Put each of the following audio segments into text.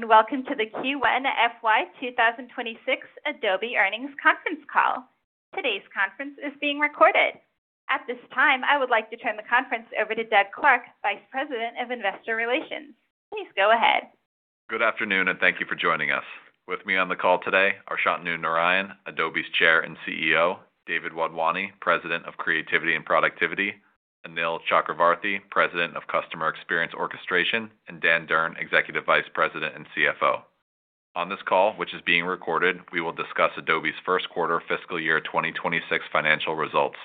Good day, and welcome to the Q1 FY 2026 Adobe Earnings Conference Call. Today's conference is being recorded. At this time, I would like to turn the conference over to Doug Clark, Vice President of Investor Relations. Please go ahead. Good afternoon, and thank you for joining us. With me on the call today are Shantanu Narayen, Adobe's Chair and CEO, David Wadhwani, President of Creativity and Productivity, Anil Chakravarthy, President of Customer Experience Orchestration, and Dan Durn, Executive Vice President and CFO. On this call, which is being recorded, we will discuss Adobe's first quarter fiscal year 2026 financial results.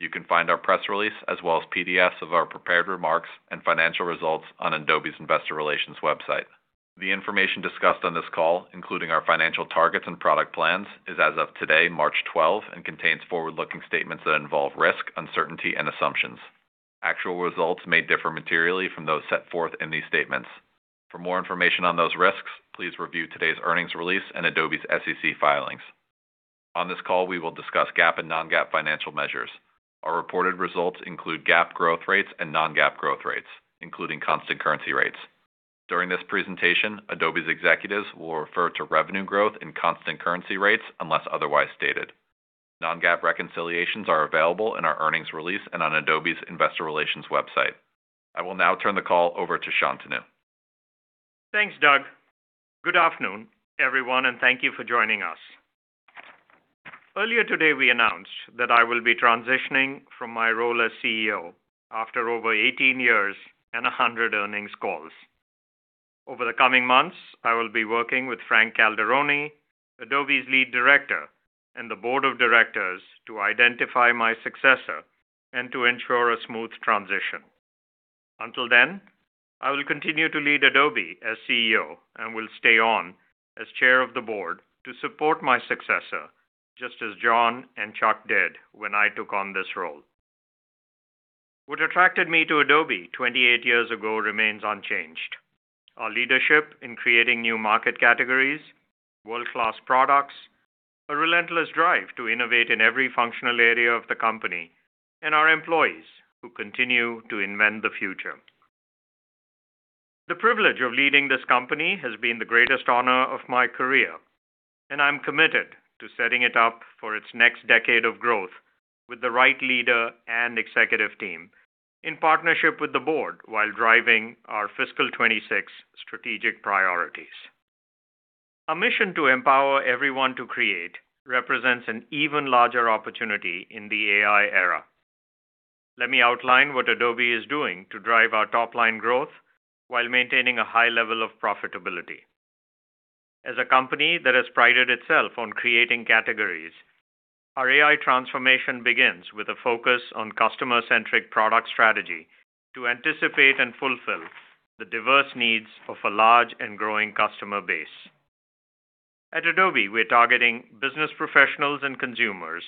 You can find our press release, as well as PDFs of our prepared remarks and financial results on Adobe's Investor Relations website. The information discussed on this call, including our financial targets and product plans, is as of today, March 12, and contains forward-looking statements that involve risk, uncertainty and assumptions. Actual results may differ materially from those set forth in these statements. For more information on those risks, please review today's earnings release and Adobe's SEC filings. On this call, we will discuss GAAP and non-GAAP financial measures. Our reported results include GAAP growth rates and non-GAAP growth rates, including constant currency rates. During this presentation, Adobe's executives will refer to revenue growth in constant currency rates unless otherwise stated. Non-GAAP reconciliations are available in our earnings release and on Adobe's Investor Relations website. I will now turn the call over to Shantanu. Thanks, Doug. Good afternoon, everyone, and thank you for joining us. Earlier today, we announced that I will be transitioning from my role as CEO after over 18 years and 100 earnings calls. Over the coming months, I will be working with Frank Calderoni, Adobe's Lead Director, and the Board of Directors to identify my successor and to ensure a smooth transition. Until then, I will continue to lead Adobe as CEO and will stay on as Chair of the Board to support my successor, just as John and Chuck did when I took on this role. What attracted me to Adobe 28 years ago remains unchanged. Our leadership in creating new market categories, world-class products, a relentless drive to innovate in every functional area of the company, and our employees who continue to invent the future. The privilege of leading this company has been the greatest honor of my career, and I'm committed to setting it up for its next decade of growth with the right leader and executive team in partnership with the board while driving our fiscal 2026 strategic priorities. Our mission to empower everyone to create represents an even larger opportunity in the AI era. Let me outline what Adobe is doing to drive our top-line growth while maintaining a high level of profitability. As a company that has prided itself on creating categories, our AI transformation begins with a focus on customer-centric product strategy to anticipate and fulfill the diverse needs of a large and growing customer base. At Adobe, we're targeting business professionals and consumers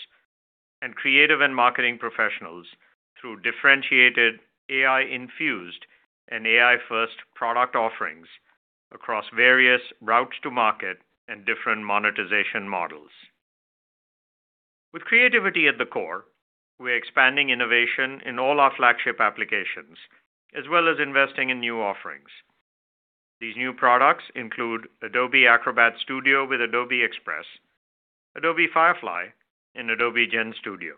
and creative and marketing professionals through differentiated AI-infused and AI-first product offerings across various routes to market and different monetization models. With creativity at the core, we're expanding innovation in all our flagship applications, as well as investing in new offerings. These new products include Adobe Acrobat Studio with Adobe Express, Adobe Firefly and Adobe GenStudio.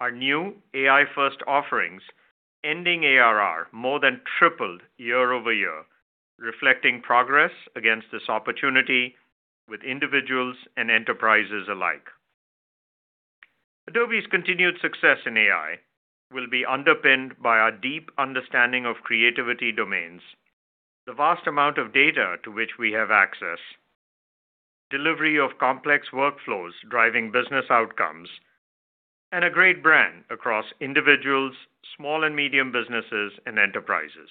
Our new AI-first offerings, ending ARR more than tripled year-over-year, reflecting progress against this opportunity with individuals and enterprises alike. Adobe's continued success in AI will be underpinned by our deep understanding of creativity domains, the vast amount of data to which we have access, delivery of complex workflows driving business outcomes, and a great brand across individuals, small and medium businesses and enterprises.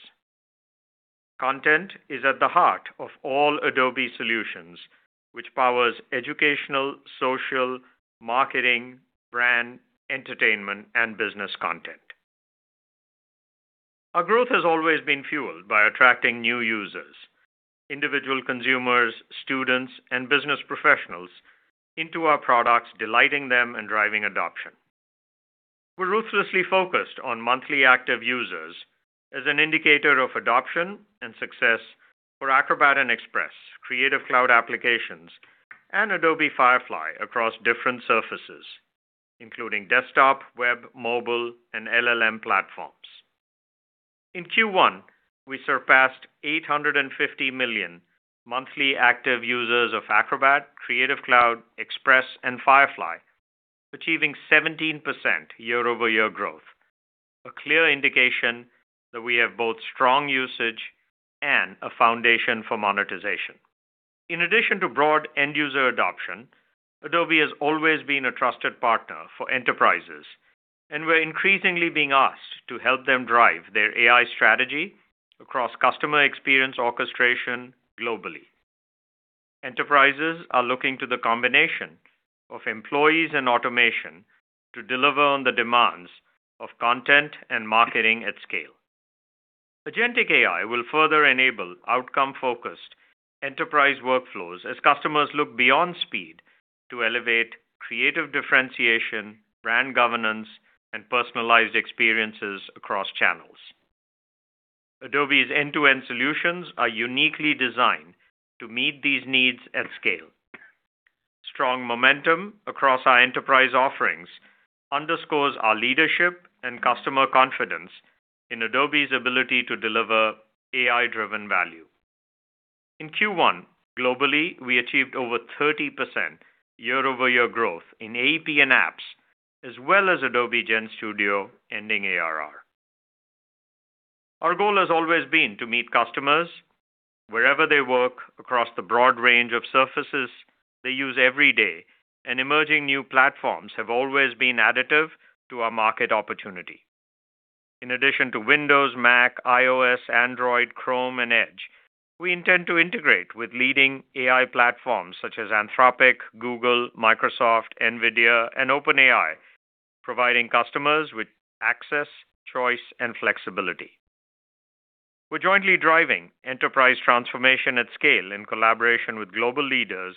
Content is at the heart of all Adobe solutions, which powers educational, social, marketing, brand, entertainment and business content. Our growth has always been fueled by attracting new users, individual consumers, students, and business professionals into our products, delighting them and driving adoption. We're ruthlessly focused on monthly active users as an indicator of adoption and success for Acrobat and Express, Creative Cloud applications and Adobe Firefly across different surfaces, including desktop, web, mobile, and LLM platforms. In Q1, we surpassed 850 million monthly active users of Acrobat, Creative Cloud, Express and Firefly, achieving 17% year-over-year growth, a clear indication that we have both strong usage and a foundation for monetization. In addition to broad end-user adoption, Adobe has always been a trusted partner for enterprises, and we're increasingly being asked to help them drive their AI strategy across customer experience orchestration globally. Enterprises are looking to the combination of employees and automation to deliver on the demands of content and marketing at scale. Agentic AI will further enable outcome-focused enterprise workflows as customers look beyond speed to elevate creative differentiation, brand governance, and personalized experiences across channels. Adobe's end-to-end solutions are uniquely designed to meet these needs at scale. Strong momentum across our enterprise offerings underscores our leadership and customer confidence in Adobe's ability to deliver AI-driven value. In Q1, globally, we achieved over 30% year-over-year growth in AEP and apps, as well as Adobe GenStudio ending ARR. Our goal has always been to meet customers wherever they work across the broad range of surfaces they use every day, and emerging new platforms have always been additive to our market opportunity. In addition to Windows, Mac, iOS, Android, Chrome and Edge, we intend to integrate with leading AI platforms such as Anthropic, Google, Microsoft, NVIDIA and OpenAI, providing customers with access, choice, and flexibility. We're jointly driving enterprise transformation at scale in collaboration with global leaders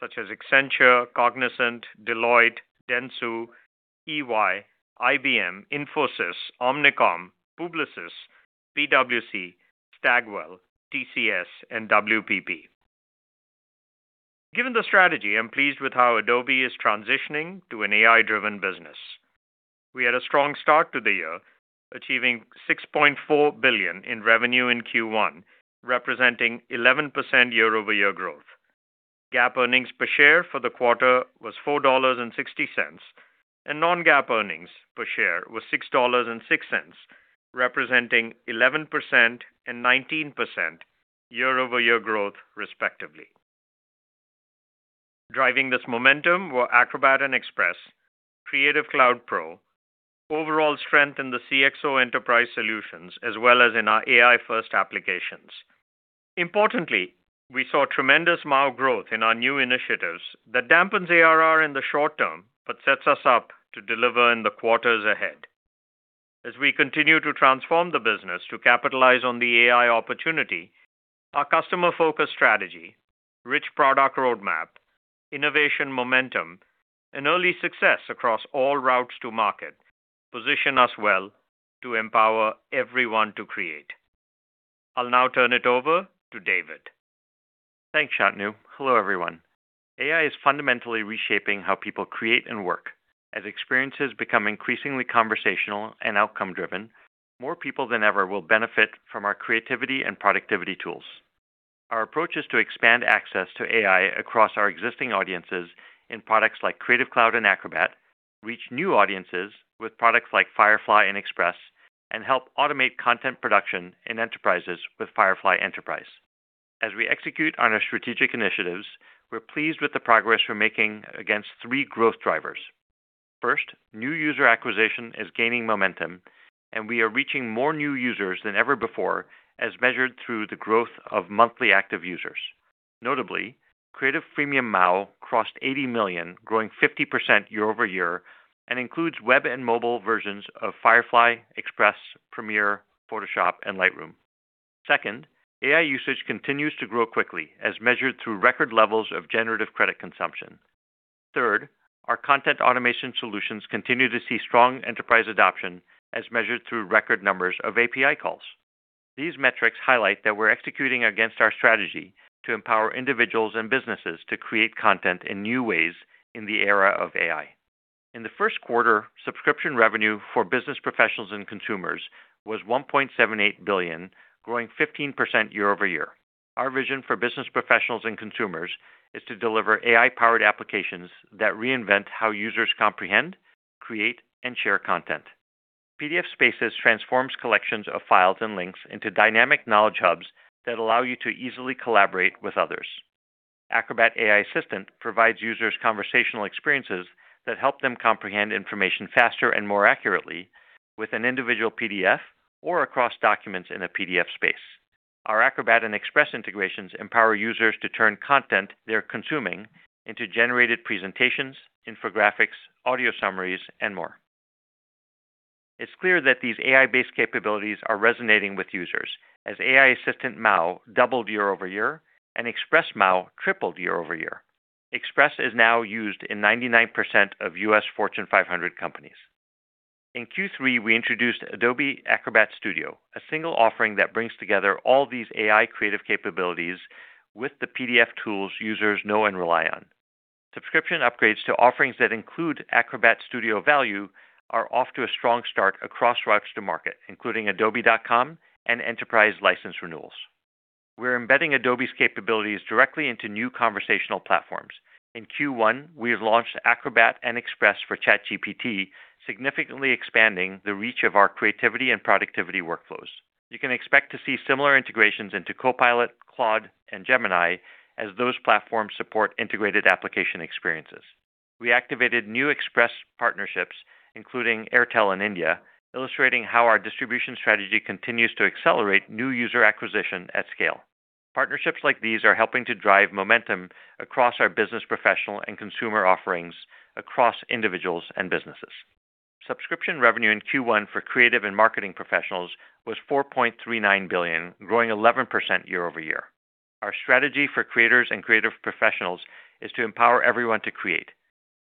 such as Accenture, Cognizant, Deloitte, Dentsu, EY, IBM, Infosys, Omnicom, Publicis, PwC, Stagwell, TCS, and WPP. Given the strategy, I'm pleased with how Adobe is transitioning to an AI-driven business. We had a strong start to the year, achieving $6.4 billion in revenue in Q1, representing 11% year-over-year growth. GAAP earnings per share for the quarter was $4.60, and non-GAAP earnings per share was $6.06, representing 11% and 19% year-over-year growth, respectively. Driving this momentum were Acrobat and Express, Creative Cloud Pro, overall strength in the CXO enterprise solutions, as well as in our AI-first applications. Importantly, we saw tremendous MAU growth in our new initiatives that dampens ARR in the short term, but sets us up to deliver in the quarters ahead. As we continue to transform the business to capitalize on the AI opportunity, our customer-focused strategy, rich product roadmap, innovation momentum, and early success across all routes to market position us well to empower everyone to create. I'll now turn it over to David. Thanks, Shantanu. Hello, everyone. AI is fundamentally reshaping how people create and work. As experiences become increasingly conversational and outcome driven, more people than ever will benefit from our creativity and productivity tools. Our approach is to expand access to AI across our existing audiences in products like Creative Cloud and Acrobat, reach new audiences with products like Firefly and Express, and help automate content production in enterprises with Firefly Enterprise. As we execute on our strategic initiatives, we're pleased with the progress we're making against three growth drivers. First, new user acquisition is gaining momentum, and we are reaching more new users than ever before, as measured through the growth of monthly active users. Notably, Creative Premium MAU crossed 80 million, growing 50% year-over-year, and includes web and mobile versions of Firefly, Express, Premiere, Photoshop and Lightroom. Second, AI usage continues to grow quickly, as measured through record levels of generative credit consumption. Third, our content automation solutions continue to see strong enterprise adoption, as measured through record numbers of API calls. These metrics highlight that we're executing against our strategy to empower individuals and businesses to create content in new ways in the era of AI. In the first quarter, subscription revenue for business professionals and consumers was $1.78 billion, growing 15% year-over-year. Our vision for business professionals and consumers is to deliver AI-powered applications that reinvent how users comprehend, create, and share content. PDF Spaces transforms collections of files and links into dynamic knowledge hubs that allow you to easily collaborate with others. Acrobat AI Assistant provides users conversational experiences that help them comprehend information faster and more accurately with an individual PDF or across documents in a PDF Space. Our Acrobat and Express integrations empower users to turn content they're consuming into generated presentations, infographics, audio summaries, and more. It's clear that these AI-based capabilities are resonating with users as AI Assistant MAU doubled year-over-year and Express MAU tripled year-over-year. Express is now used in 99% of U.S. Fortune 500 companies. In Q3, we introduced Adobe Acrobat Studio, a single offering that brings together all these AI creative capabilities with the PDF tools users know and rely on. Subscription upgrades to offerings that include Acrobat Studio value are off to a strong start across routes to market, including adobe.com and enterprise license renewals. We're embedding Adobe's capabilities directly into new conversational platforms. In Q1, we have launched Acrobat and Express for ChatGPT, significantly expanding the reach of our creativity and productivity workflows. You can expect to see similar integrations into Copilot, Claude, and Gemini as those platforms support integrated application experiences. We activated new Express partnerships, including Airtel in India, illustrating how our distribution strategy continues to accelerate new user acquisition at scale. Partnerships like these are helping to drive momentum across our business professional and consumer offerings across individuals and businesses. Subscription revenue in Q1 for creative and marketing professionals was $4.39 billion, growing 11% year-over-year. Our strategy for creators and creative professionals is to empower everyone to create,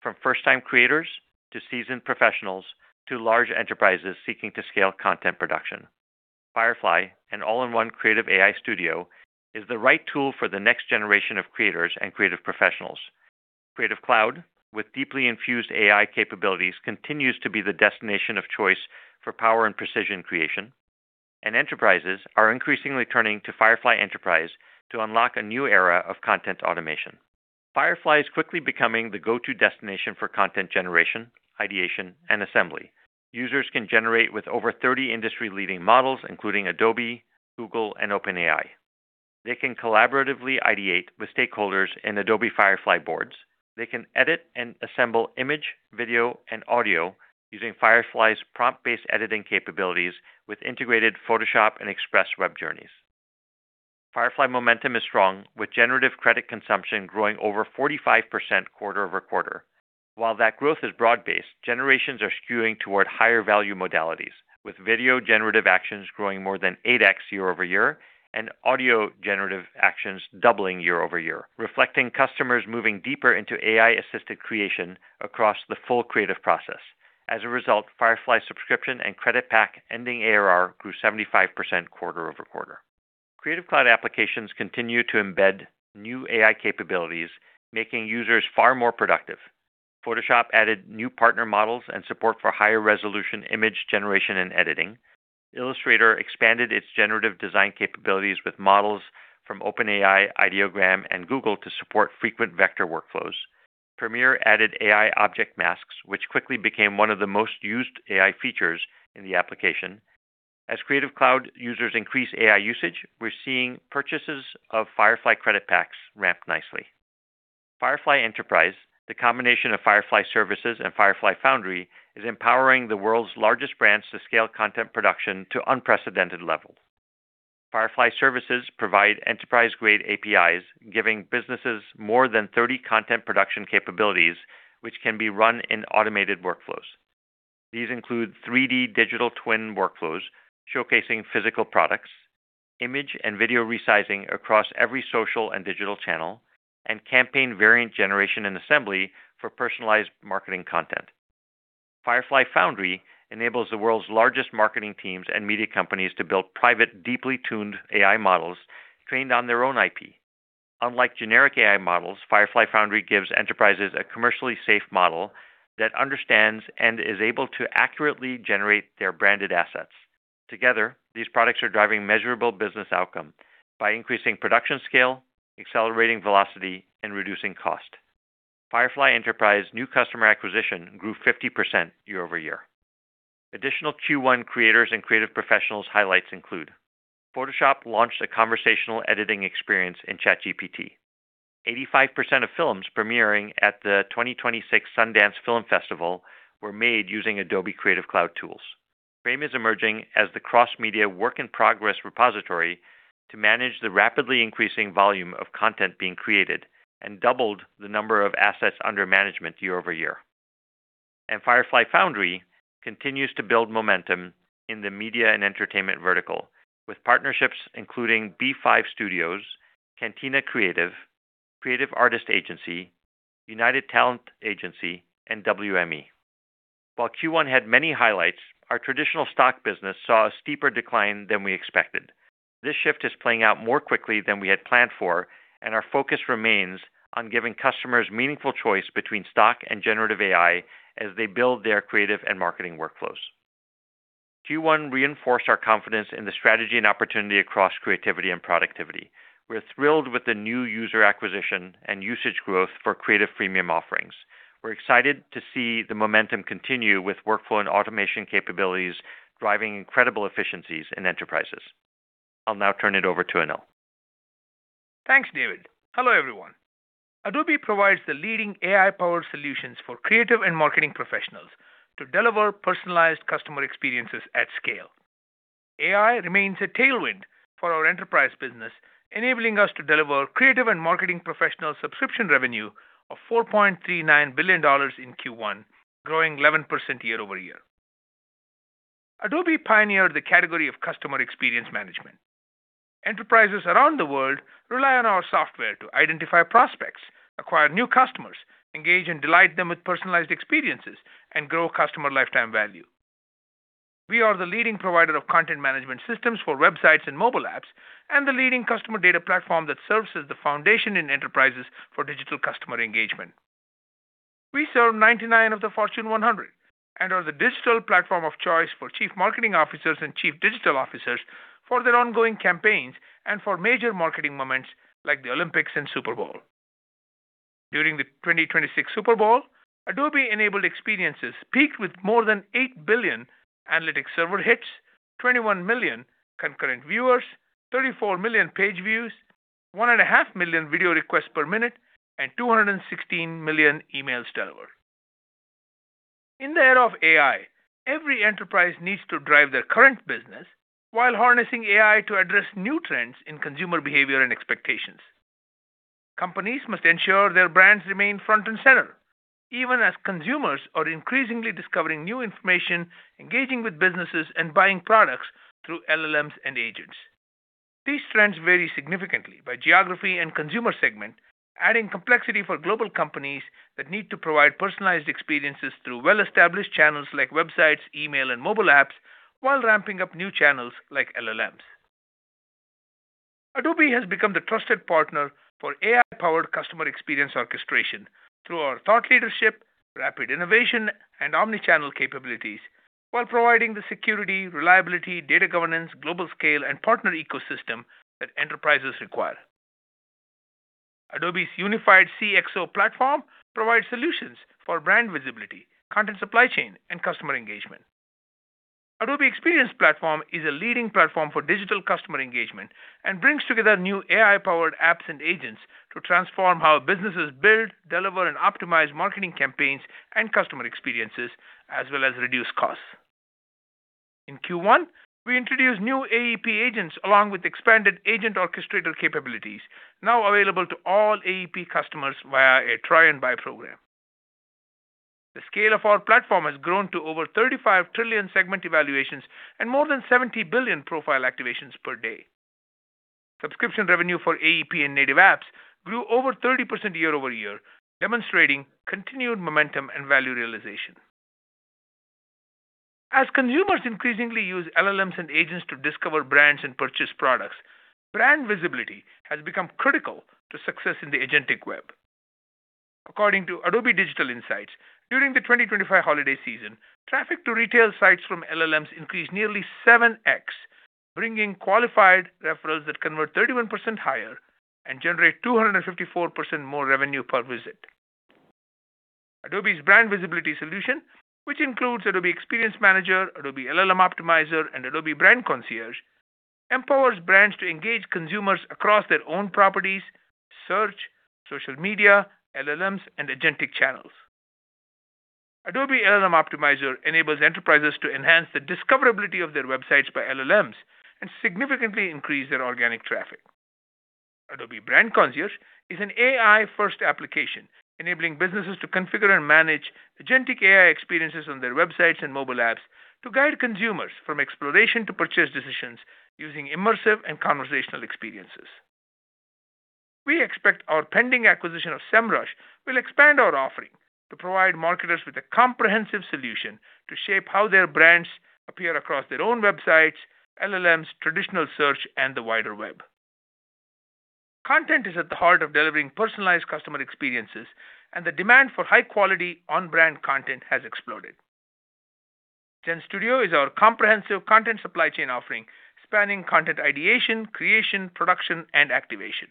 from first-time creators to seasoned professionals to large enterprises seeking to scale content production. Firefly, an all-in-one creative AI studio, is the right tool for the next generation of creators and creative professionals. Creative Cloud, with deeply infused AI capabilities, continues to be the destination of choice for power and precision creation. Enterprises are increasingly turning to Firefly Enterprise to unlock a new era of content automation. Firefly is quickly becoming the go-to destination for content generation, ideation, and assembly. Users can generate with over 30 industry-leading models, including Adobe, Google, and OpenAI. They can collaboratively ideate with stakeholders in Adobe Firefly boards. They can edit and assemble image, video, and audio using Firefly's prompt-based editing capabilities with integrated Photoshop and Express web journeys. Firefly momentum is strong, with generative credit consumption growing over 45% quarter-over-quarter. While that growth is broad-based, generations are skewing toward higher value modalities, with video-generative actions growing more than 8x year-over-year and audio-generative actions doubling year-over-year, reflecting customers moving deeper into AI-assisted creation across the full creative process. As a result, Firefly subscription and credit pack ending ARR grew 75% quarter-over-quarter. Creative Cloud applications continue to embed new AI capabilities, making users far more productive. Photoshop added new partner models and support for higher resolution image generation and editing. Illustrator expanded its generative design capabilities with models from OpenAI, Ideogram, and Google to support frequent vector workflows. Premiere added AI object masks, which quickly became one of the most used AI features in the application. As Creative Cloud users increase AI usage, we're seeing purchases of Firefly credit packs ramp nicely. Firefly Enterprise, the combination of Firefly Services and Firefly Foundry, is empowering the world's largest brands to scale content production to unprecedented levels. Firefly Services provide enterprise-grade APIs, giving businesses more than 30 content production capabilities which can be run in automated workflows. These include 3D digital twin workflows showcasing physical products, image and video resizing across every social and digital channel, and campaign variant generation and assembly for personalized marketing content. Firefly Foundry enables the world's largest marketing teams and media companies to build private, deeply tuned AI models trained on their own IP. Unlike generic AI models, Firefly Foundry gives enterprises a commercially safe model that understands and is able to accurately generate their branded assets. Together, these products are driving measurable business outcome by increasing production scale, accelerating velocity, and reducing cost. Firefly Enterprise new customer acquisition grew 50% year-over-year. Additional Q1 creators and creative professionals highlights include Photoshop launched a conversational editing experience in ChatGPT. 85% of films premiering at the 2026 Sundance Film Festival were made using Adobe Creative Cloud tools. Frame.io is emerging as the cross-media work in progress repository to manage the rapidly increasing volume of content being created, and doubled the number of assets under management year over year. Firefly Foundry continues to build momentum in the media and entertainment vertical with partnerships including B5 Studios, Cantina Creative, Creative Artists Agency, United Talent Agency, and WME. While Q1 had many highlights, our traditional stock business saw a steeper decline than we expected. This shift is playing out more quickly than we had planned for, and our focus remains on giving customers meaningful choice between stock and generative AI as they build their creative and marketing workflows. Q1 reinforced our confidence in the strategy and opportunity across creativity and productivity. We're thrilled with the new user acquisition and usage growth for creative freemium offerings. We're excited to see the momentum continue with workflow and automation capabilities driving incredible efficiencies in enterprises. I'll now turn it over to Anil. Thanks, David. Hello, everyone. Adobe provides the leading AI-powered solutions for creative and marketing professionals to deliver personalized customer experiences at scale. AI remains a tailwind for our enterprise business, enabling us to deliver creative and marketing professional subscription revenue of $4.39 billion in Q1, growing 11% year-over-year. Adobe pioneered the category of customer experience management. Enterprises around the world rely on our software to identify prospects, acquire new customers, engage and delight them with personalized experiences, and grow customer lifetime value. We are the leading provider of content management systems for websites and mobile apps, and the leading customer data platform that serves as the foundation in enterprises for digital customer engagement. We serve 99 of the Fortune 100 and are the digital platform of choice for chief marketing officers and chief digital officers for their ongoing campaigns and for major marketing moments like the Olympics and Super Bowl. During the 2026 Super Bowl, Adobe-enabled experiences peaked with more than 8 billion analytic server hits, 21 million concurrent viewers, 34 million page views, 1.5 million video requests per minute, and 216 million emails delivered. In the era of AI, every enterprise needs to drive their current business while harnessing AI to address new trends in consumer behavior and expectations. Companies must ensure their brands remain front and center, even as consumers are increasingly discovering new information, engaging with businesses, and buying products through LLMs and agents. These trends vary significantly by geography and consumer segment, adding complexity for global companies that need to provide personalized experiences through well-established channels like websites, email, and mobile apps while ramping up new channels like LLMs. Adobe has become the trusted partner for AI-powered customer experience orchestration through our thought leadership, rapid innovation, and omni-channel capabilities while providing the security, reliability, data governance, global scale, and partner ecosystem that enterprises require. Adobe's unified CXO platform provides solutions for brand visibility, content supply chain, and customer engagement. Adobe Experience Platform is a leading platform for digital customer engagement and brings together new AI-powered apps and agents to transform how businesses build, deliver, and optimize marketing campaigns and customer experiences, as well as reduce costs. In Q1, we introduced new AEP agents along with expanded agent orchestrator capabilities, now available to all AEP customers via a try and buy program. The scale of our platform has grown to over 35 trillion segment evaluations and more than 70 billion profile activations per day. Subscription revenue for AEP and native apps grew over 30% year-over-year, demonstrating continued momentum and value realization. As consumers increasingly use LLMs and agents to discover brands and purchase products, brand visibility has become critical to success in the agentic web. According to Adobe Digital Insights, during the 2025 holiday season, traffic to retail sites from LLMs increased nearly 7x, bringing qualified referrals that convert 31% higher and generate 254% more revenue per visit. Adobe's brand visibility solution, which includes Adobe Experience Manager, Adobe LLM Optimizer, and Adobe Brand Concierge, empowers brands to engage consumers across their own properties, search, social media, LLMs, and agentic channels. Adobe LLM Optimizer enables enterprises to enhance the discoverability of their websites by LLMs and significantly increase their organic traffic. Adobe Brand Concierge is an AI-first application enabling businesses to configure and manage agentic AI experiences on their websites and mobile apps to guide consumers from exploration to purchase decisions using immersive and conversational experiences. We expect our pending acquisition of Semrush will expand our offering to provide marketers with a comprehensive solution to shape how their brands appear across their own websites, LLMs, traditional search, and the wider web. Content is at the heart of delivering personalized customer experiences, and the demand for high-quality on-brand content has exploded. GenStudio is our comprehensive content supply chain offering spanning content ideation, creation, production, and activation.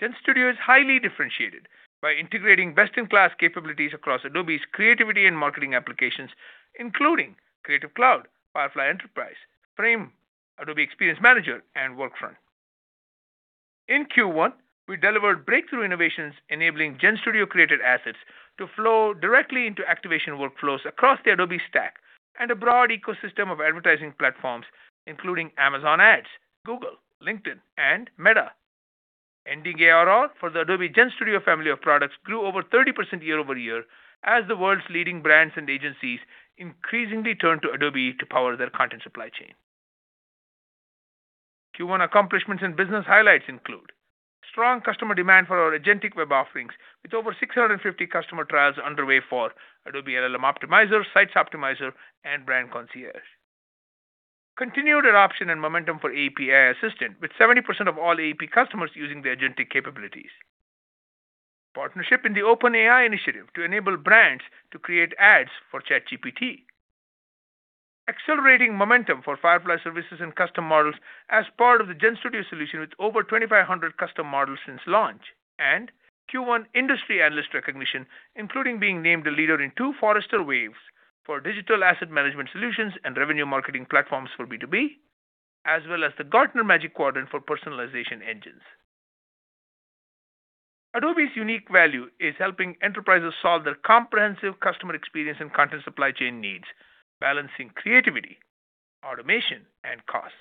GenStudio is highly differentiated by integrating best-in-class capabilities across Adobe's creativity and marketing applications, including Creative Cloud, Firefly Enterprise, Frame.io, Adobe Experience Manager, and Workfront. In Q1, we delivered breakthrough innovations enabling GenStudio created assets to flow directly into activation workflows across the Adobe stack and a broad ecosystem of advertising platforms, including Amazon Ads, Google, LinkedIn, and Meta. Ending ARR for the Adobe GenStudio family of products grew over 30% year-over-year as the world's leading brands and agencies increasingly turn to Adobe to power their content supply chain. Q1 accomplishments and business highlights include strong customer demand for our agentic web offerings with over 650 customer trials underway for Adobe LLM Optimizer, Sites Optimizer, and Brand Concierge. Continued adoption and momentum for AEP AI Assistant with 70% of all AEP customers using the agentic capabilities. Partnership in the OpenAI initiative to enable brands to create ads for ChatGPT. Accelerating momentum for Firefly Services and custom models as part of the GenStudio solution with over 2,500 custom models since launch. Q1 industry analyst recognition, including being named a leader in two Forrester Waves for digital asset management solutions and revenue marketing platforms for B2B, as well as the Gartner Magic Quadrant for personalization engines. Adobe's unique value is helping enterprises solve their comprehensive customer experience and content supply chain needs, balancing creativity, automation, and costs.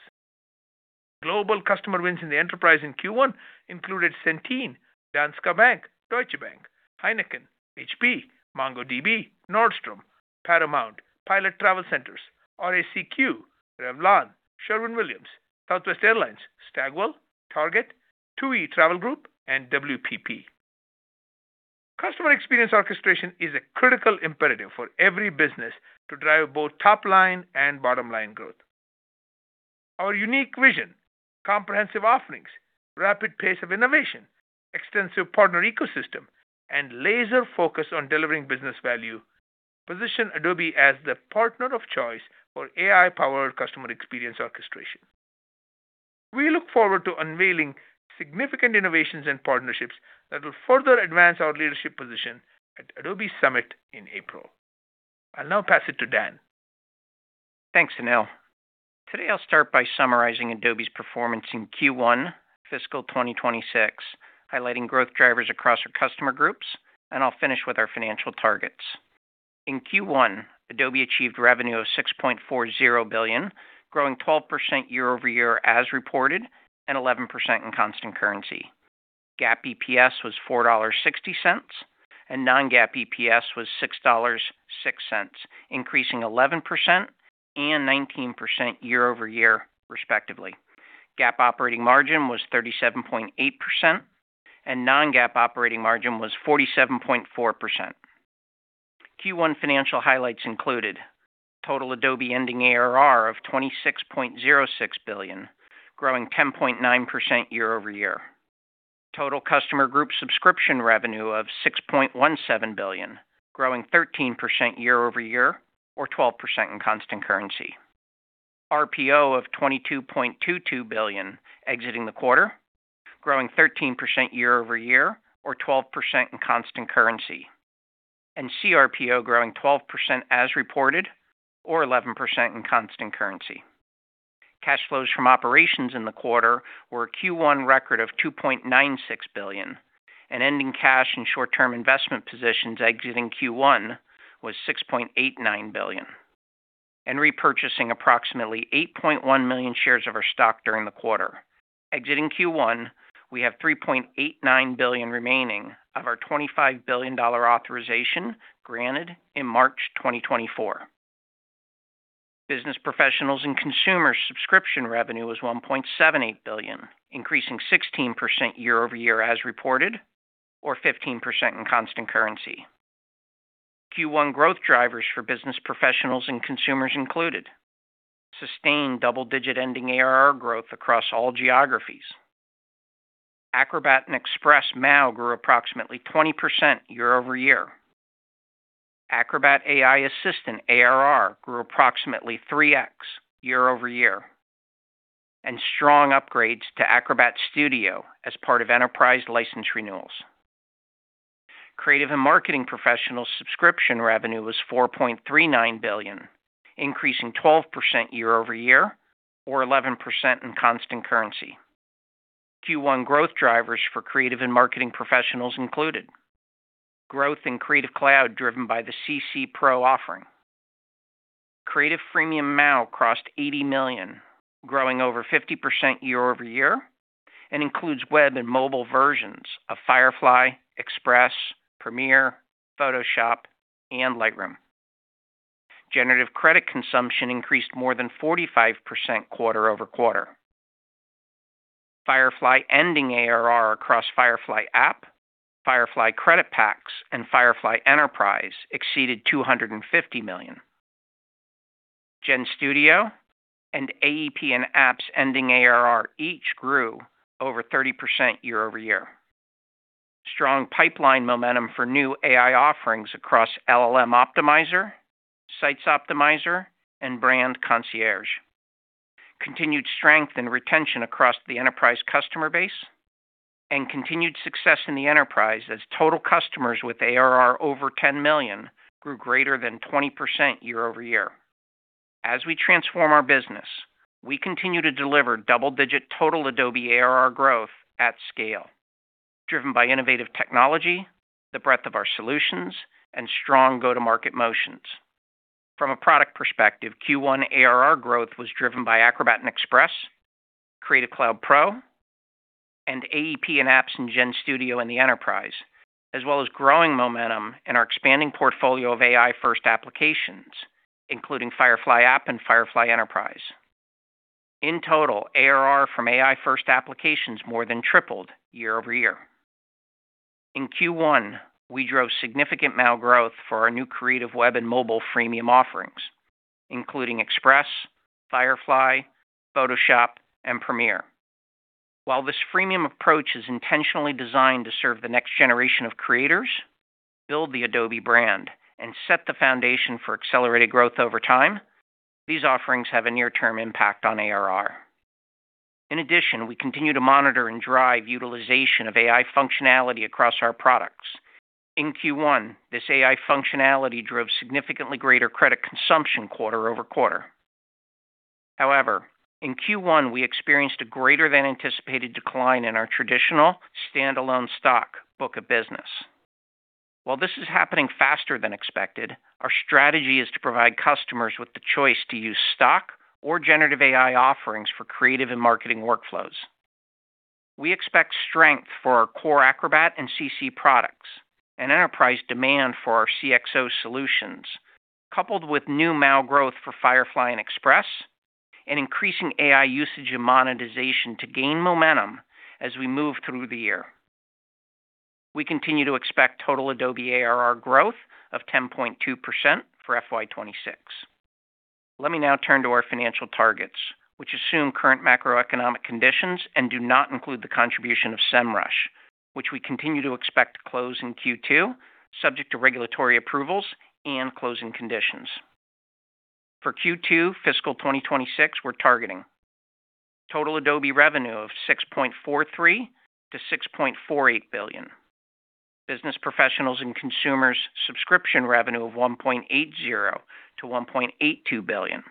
Global customer wins in the enterprise in Q1 included Centene, Danske Bank, Deutsche Bank, Heineken, HP, MongoDB, Nordstrom, Paramount, Pilot Travel Centers, RACQ, Revlon, Sherwin-Williams, Southwest Airlines, Stagwell, Target, TUI Group, and WPP. Customer experience orchestration is a critical imperative for every business to drive both top-line and bottom-line growth. Our unique vision, comprehensive offerings, rapid pace of innovation, extensive partner ecosystem, and laser focus on delivering business value position Adobe as the partner of choice for AI-powered customer experience orchestration. We look forward to unveiling significant innovations and partnerships that will further advance our leadership position at Adobe Summit in April. I'll now pass it to Dan. Thanks, Anil. Today, I'll start by summarizing Adobe's performance in Q1 fiscal 2026, highlighting growth drivers across our customer groups, and I'll finish with our financial targets. In Q1, Adobe achieved revenue of $6.40 billion, growing 12% year-over-year as reported, and 11% in constant currency. GAAP EPS was $4.60, and non-GAAP EPS was $6.06, increasing 11% and 19% year-over-year, respectively. GAAP operating margin was 37.8%, and non-GAAP operating margin was 47.4%. Q1 financial highlights included total Adobe ending ARR of $26.06 billion, growing 10.9% year-over-year. Total customer group subscription revenue of $6.17 billion, growing 13% year-over-year or 12% in constant currency. RPO of $22.22 billion exiting the quarter, growing 13% year-over-year or 12% in constant currency. CRPO growing 12% as reported or 11% in constant currency. Cash flows from operations in the quarter were a Q1 record of $2.96 billion, and ending cash and short-term investment positions exiting Q1 was $6.89 billion, and repurchasing approximately 8.1 million shares of our stock during the quarter. Exiting Q1, we have $3.89 billion remaining of our $25 billion authorization granted in March 2024. Business professionals and consumers subscription revenue was $1.78 billion, increasing 16% year-over-year as reported, or 15% in constant currency. Q1 growth drivers for business professionals and consumers included sustained double-digit ending ARR growth across all geographies. Acrobat and Express MAU grew approximately 20% year-over-year. Acrobat AI Assistant ARR grew approximately 3x year-over-year, and strong upgrades to Acrobat Studio as part of enterprise license renewals. Creative and marketing professionals subscription revenue was $4.39 billion, increasing 12% year-over-year or 11% in constant currency. Q1 growth drivers for creative and marketing professionals included growth in Creative Cloud driven by the CC Pro offering. Creative freemium MAU crossed 80 million, growing over 50% year-over-year, and includes web and mobile versions of Firefly, Express, Premiere, Photoshop, and Lightroom. Generative credit consumption increased more than 45% quarter-over-quarter. Firefly ending ARR across Firefly app, Firefly credit packs, and Firefly Enterprise exceeded $250 million. GenStudio and AEP and Apps ending ARR each grew over 30% year-over-year. Strong pipeline momentum for new AI offerings across LLM Optimizer, Sites Optimizer, and Brand Concierge. Continued strength and retention across the enterprise customer base, and continued success in the enterprise as total customers with ARR over 10 million grew greater than 20% year-over-year. We transform our business, we continue to deliver double-digit total Adobe ARR growth at scale, driven by innovative technology, the breadth of our solutions, and strong go-to-market motions. From a product perspective, Q1 ARR growth was driven by Acrobat and Express, Creative Cloud Pro, and AEP and Apps in GenStudio in the Enterprise, as well as growing momentum in our expanding portfolio of AI-first applications, including Firefly App and Firefly Enterprise. In total, ARR from AI-first applications more than tripled year-over-year. In Q1, we drove significant MAU growth for our new creative web and mobile freemium offerings, including Express, Firefly, Photoshop, and Premiere. While this freemium approach is intentionally designed to serve the next generation of creators, build the Adobe brand, and set the foundation for accelerated growth over time, these offerings have a near-term impact on ARR. In addition, we continue to monitor and drive utilization of AI functionality across our products. In Q1, this AI functionality drove significantly greater credit consumption quarter over quarter. However, in Q1, we experienced a greater than anticipated decline in our traditional standalone stock book of business. While this is happening faster than expected, our strategy is to provide customers with the choice to use stock or generative AI offerings for creative and marketing workflows. We expect strength for our core Acrobat and CC products and enterprise demand for our CXO solutions, coupled with new MAU growth for Firefly and Express, and increasing AI usage and monetization to gain momentum as we move through the year. We continue to expect total Adobe ARR growth of 10.2% for FY 2026. Let me now turn to our financial targets, which assume current macroeconomic conditions and do not include the contribution of Semrush, which we continue to expect to close in Q2, subject to regulatory approvals and closing conditions. For Q2, fiscal 2026, we're targeting total Adobe revenue of $6.43 billion-$6.48 billion, business professionals and consumers subscription revenue of $1.80 billion-$1.82 billion.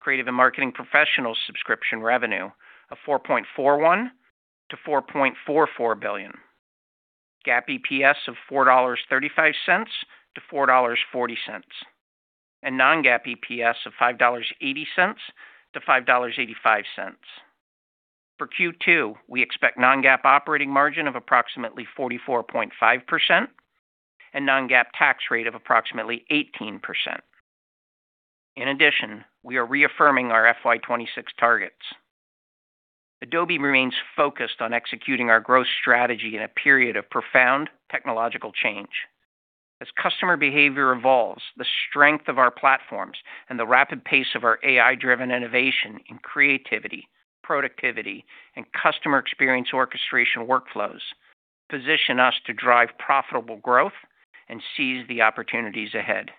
Creative and marketing professional subscription revenue of $4.41 billion-$4.44 billion. GAAP EPS of $4.35-$4.40. non-GAAP EPS of $5.80-$5.85. For Q2, we expect non-GAAP operating margin of approximately 44.5% and non-GAAP tax rate of approximately 18%. In addition, we are reaffirming our FY 2026 targets. Adobe remains focused on executing our growth strategy in a period of profound technological change. As customer behavior evolves, the strength of our platforms and the rapid pace of our AI-driven innovation in creativity, productivity, and customer experience orchestration workflows position us to drive profitable growth and seize the opportunities ahead.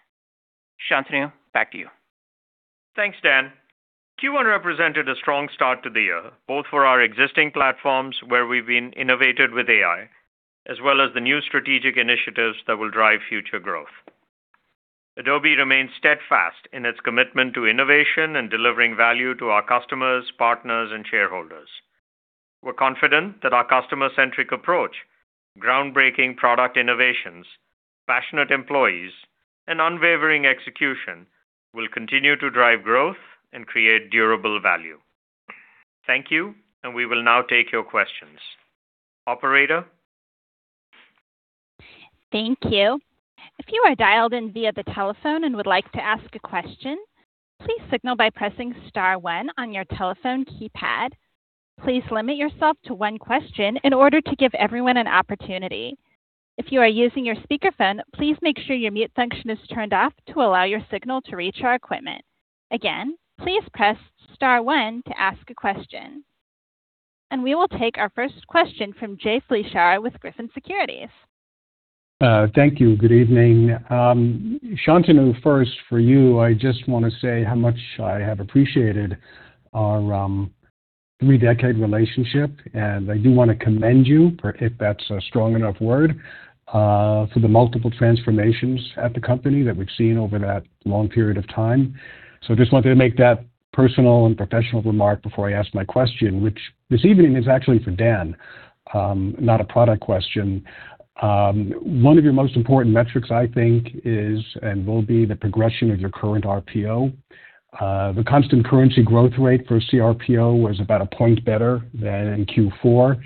Shantanu, back to you. Thanks, Dan. Q1 represented a strong start to the year, both for our existing platforms, where we've been integrated with AI, as well as the new strategic initiatives that will drive future growth. Adobe remains steadfast in its commitment to innovation and delivering value to our customers, partners, and shareholders. We're confident that our customer-centric approach, groundbreaking product innovations, passionate employees, and unwavering execution will continue to drive growth and create durable value. Thank you, and we will now take your questions. Operator. Thank you. If you are dialed in via the telephone and would like to ask a question, please signal by pressing star one on your telephone keypad. Please limit yourself to one question in order to give everyone an opportunity. If you are using your speakerphone, please make sure your mute function is turned off to allow your signal to reach our equipment. Again, please press star one to ask a question. We will take our first question from Jay Vleeschhouwer with Griffin Securities. Thank you. Good evening. Shantanu, first for you, I just want to say how much I have appreciated our three-decade relationship, and I do want to commend you, if that's a strong enough word, for the multiple transformations at the company that we've seen over that long period of time. I just wanted to make that personal and professional remark before I ask my question, which this evening is actually for Dan, not a product question. One of your most important metrics, I think, is and will be the progression of your current RPO. The constant currency growth rate for CRPO was about a point better than in Q4.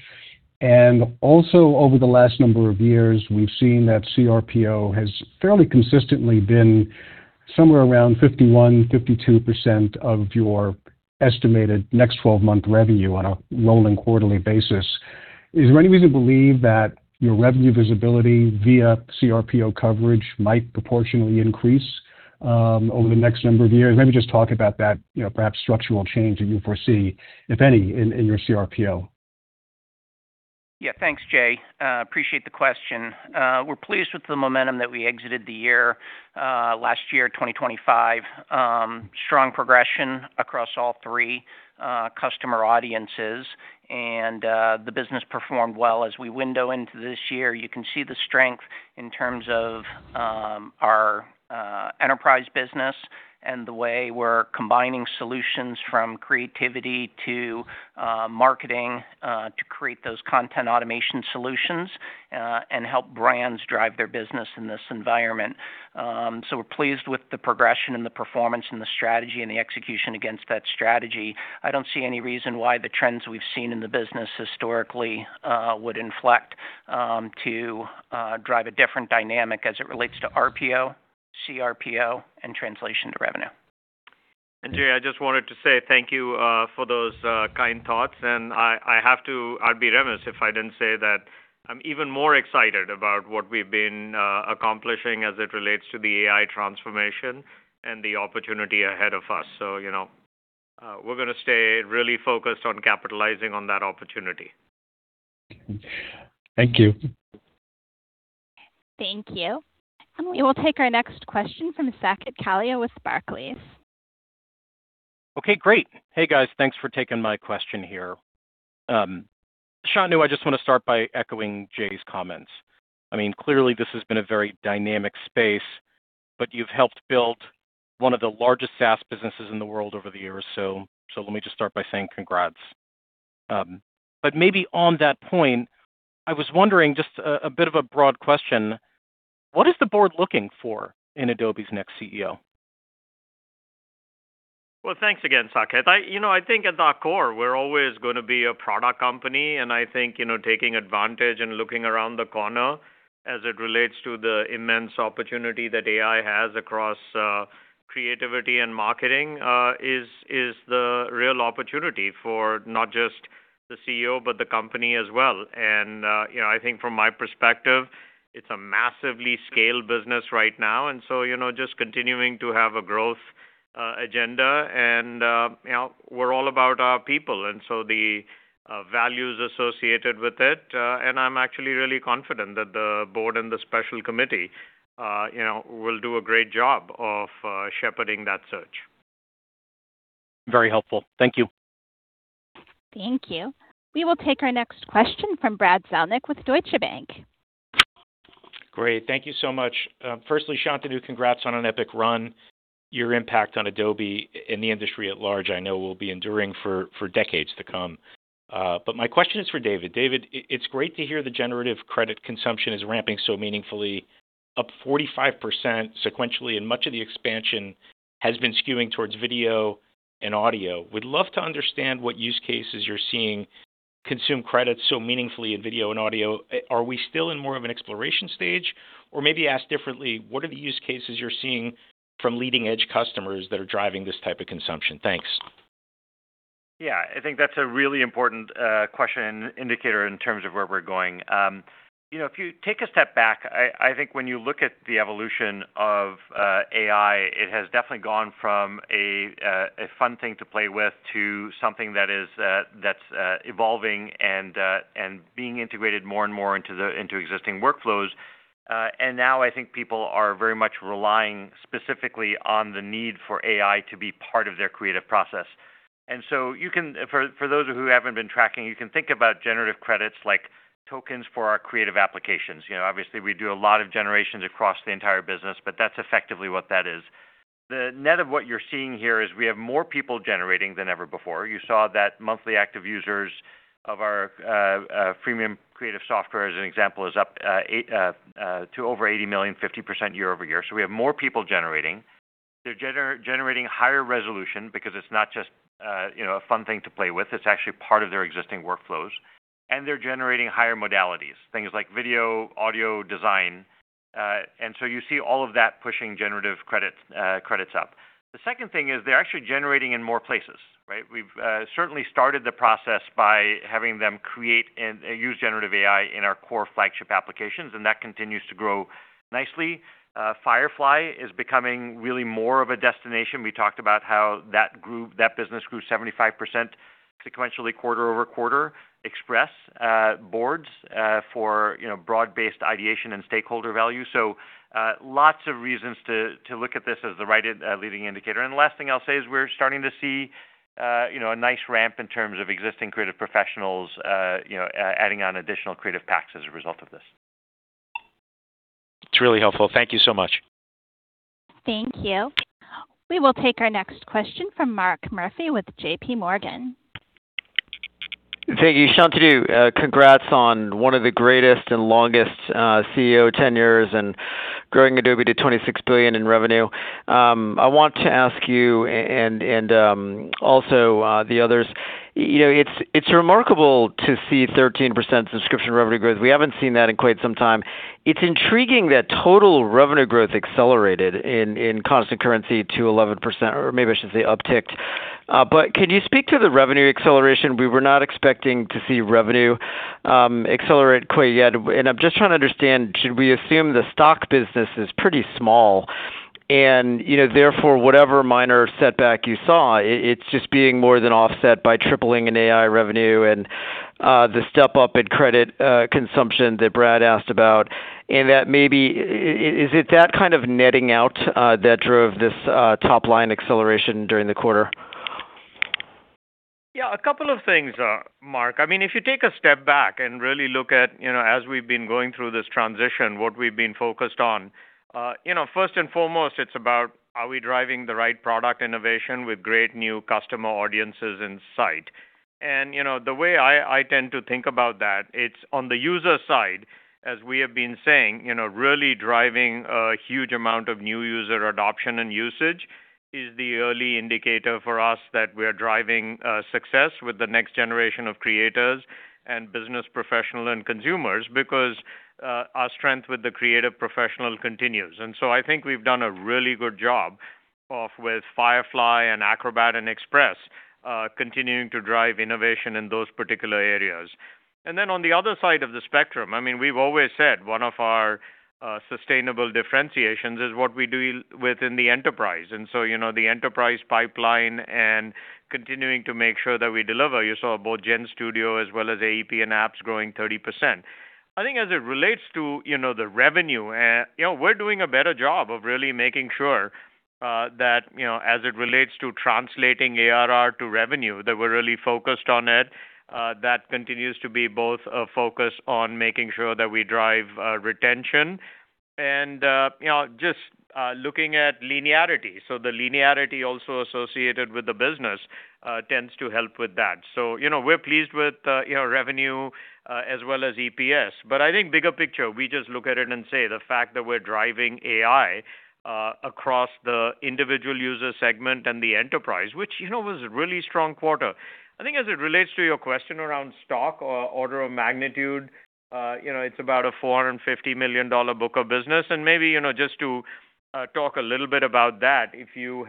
Also, over the last number of years, we've seen that CRPO has fairly consistently been somewhere around 51-52% of your estimated next twelve-month revenue on a rolling quarterly basis. Is there any reason to believe that your revenue visibility via CRPO coverage might proportionally increase over the next number of years? Maybe just talk about that, you know, perhaps structural change that you foresee, if any, in your CRPO. Yeah. Thanks, Jay. Appreciate the question. We're pleased with the momentum that we exited the year last year, 2025. Strong progression across all three customer audiences. The business performed well. As we window into this year, you can see the strength in terms of our enterprise business and the way we're combining solutions from creativity to marketing to create those content automation solutions and help brands drive their business in this environment. We're pleased with the progression and the performance and the strategy and the execution against that strategy. I don't see any reason why the trends we've seen in the business historically would inflect to drive a different dynamic as it relates to RPO, CRPO, and translation to revenue. Jay, I just wanted to say thank you for those kind thoughts. I'd be remiss if I didn't say that I'm even more excited about what we've been accomplishing as it relates to the AI transformation and the opportunity ahead of us. You know, we're gonna stay really focused on capitalizing on that opportunity. Thank you. Thank you. We will take our next question from Saket Kalia with Barclays. Okay, great. Hey, guys. Thanks for taking my question here. Shantanu, I just wanna start by echoing Jay's comments. I mean, clearly this has been a very dynamic space, but you've helped build one of the largest SaaS businesses in the world over the years. Let me just start by saying congrats. Maybe on that point, I was wondering, just a bit of a broad question, what is the board looking for in Adobe's next CEO? Well, thanks again, Saket. You know, I think at our core, we're always gonna be a product company. I think, you know, taking advantage and looking around the corner as it relates to the immense opportunity that AI has across creativity and marketing is the real opportunity for not just the CEO, but the company as well. You know, I think from my perspective, it's a massively scaled business right now. You know, just continuing to have a growth agenda and, you know, we're all about our people and so the values associated with it. I'm actually really confident that the board and the special committee, you know, will do a great job of shepherding that search. Very helpful. Thank you. Thank you. We will take our next question from Brad Zelnick with Deutsche Bank. Great. Thank you so much. Firstly, Shantanu, congrats on an epic run. Your impact on Adobe and the industry at large, I know will be enduring for decades to come. My question is for David. David, it's great to hear the generative credit consumption is ramping so meaningfully, up 45% sequentially, and much of the expansion has been skewing towards video and audio. Would love to understand what use cases you're seeing consume credit so meaningfully in video and audio. Are we still in more of an exploration stage? Or maybe asked differently, what are the use cases you're seeing from leading-edge customers that are driving this type of consumption? Thanks. Yeah. I think that's a really important question indicator in terms of where we're going. You know, if you take a step back, I think when you look at the evolution of AI, it has definitely gone from a fun thing to play with to something that is evolving and being integrated more and more into existing workflows. Now I think people are very much relying specifically on the need for AI to be part of their creative process. For those who haven't been tracking, you can think about generative credits like tokens for our creative applications. You know, obviously, we do a lot of generations across the entire business, but that's effectively what that is. The net of what you're seeing here is we have more people generating than ever before. You saw that monthly active users of our premium creative software, as an example, is up to over 80 million, 50% year-over-year. We have more people generating. They're generating higher resolution because it's not just you know, a fun thing to play with. It's actually part of their existing workflows. They're generating higher modalities, things like video, audio, design. You see all of that pushing generative credits up. The second thing is they're actually generating in more places, right? We've certainly started the process by having them create and use generative AI in our core flagship applications, and that continues to grow nicely. Firefly is becoming really more of a destination. We talked about how that business grew 75% sequentially quarter-over-quarter. Express boards for, you know, broad-based ideation and stakeholder value. Lots of reasons to look at this as the right leading indicator. The last thing I'll say is we're starting to see, you know, a nice ramp in terms of existing creative professionals, you know, adding on additional creative packs as a result of this. It's really helpful. Thank you so much. Thank you. We will take our next question from Mark Murphy with J.P. Morgan. Thank you. Shantanu, congrats on one of the greatest and longest CEO tenures and growing Adobe to $26 billion in revenue. I want to ask you and also the others, you know, it's remarkable to see 13% subscription revenue growth. We haven't seen that in quite some time. It's intriguing that total revenue growth accelerated in constant currency to 11%, or maybe I should say upticked. Could you speak to the revenue acceleration? We were not expecting to see revenue accelerate quite yet. I'm just trying to understand, should we assume the stock business is pretty small and, you know, therefore, whatever minor setback you saw, it's just being more than offset by tripling in AI revenue and the step up in credit consumption that Brad asked about. That maybe is it that kind of netting out that drove this top line acceleration during the quarter? Yeah, a couple of things, Mark. I mean, if you take a step back and really look at, you know, as we've been going through this transition, what we've been focused on, you know, first and foremost, it's about, are we driving the right product innovation with great new customer audiences in sight. You know, the way I tend to think about that, it's on the user side, as we have been saying, you know, really driving a huge amount of new user adoption and usage is the early indicator for us that we are driving success with the next generation of creators and business professional and consumers because our strength with the creative professional continues. I think we've done a really good job of with Firefly and Acrobat and Express, continuing to drive innovation in those particular areas. On the other side of the spectrum, I mean, we've always said one of our sustainable differentiations is what we do within the enterprise. You know, the enterprise pipeline and continuing to make sure that we deliver. You saw both GenStudio as well as AEP and apps growing 30%. I think as it relates to the revenue, you know, we're doing a better job of really making sure that as it relates to translating ARR to revenue, that we're really focused on it. That continues to be both a focus on making sure that we drive retention and you know, just looking at linearity. The linearity also associated with the business tends to help with that. You know, we're pleased with you know, revenue as well as EPS. I think bigger picture, we just look at it and say the fact that we're driving AI across the individual user segment and the enterprise, which, you know, was a really strong quarter. I think as it relates to your question around stock or order of magnitude, you know, it's about a $450 million book of business. And maybe, you know, just to talk a little bit about that. If you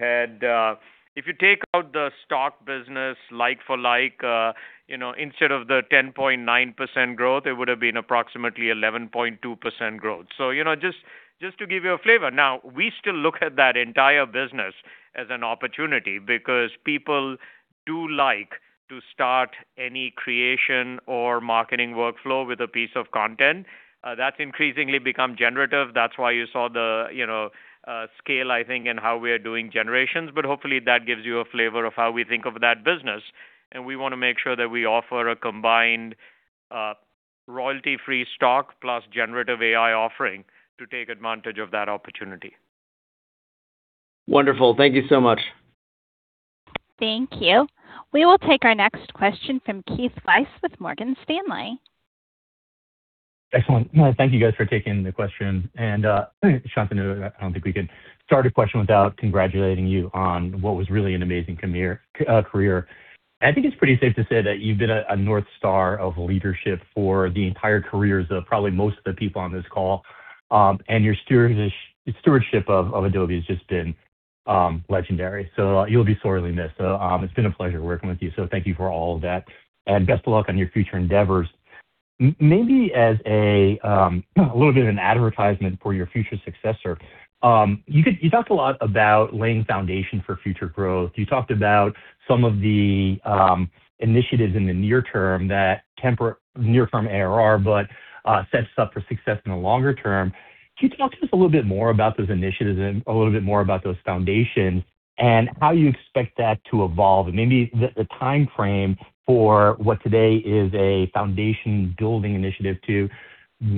take out the stock business like for like, you know, instead of the 10.9% growth, it would have been approximately 11.2% growth. So, you know, just to give you a flavor. Now, we still look at that entire business as an opportunity because people do like to start any creation or marketing workflow with a piece of content. That's increasingly become generative. That's why you saw the scale, I think, in how we are doing generations. Hopefully, that gives you a flavor of how we think of that business. We want to make sure that we offer a combined, royalty-free stock plus generative AI offering to take advantage of that opportunity. Wonderful. Thank you so much. Thank you. We will take our next question from Keith Weiss with Morgan Stanley. Excellent. Thank you guys for taking the question. Shantanu, I don't think we can start a question without congratulating you on what was really an amazing career. I think it's pretty safe to say that you've been a North Star of leadership for the entire careers of probably most of the people on this call. Your stewardship of Adobe has just been legendary. You'll be sorely missed. It's been a pleasure working with you, so thank you for all of that, and best of luck on your future endeavors. Maybe as a little bit of an advertisement for your future successor, you could. You talked a lot about laying foundation for future growth. You talked about some of the initiatives in the near term that temper near-term ARR, but sets us up for success in the longer term. Can you talk to us a little bit more about those initiatives and a little bit more about those foundations and how you expect that to evolve? Maybe the timeframe for what today is a foundation-building initiative to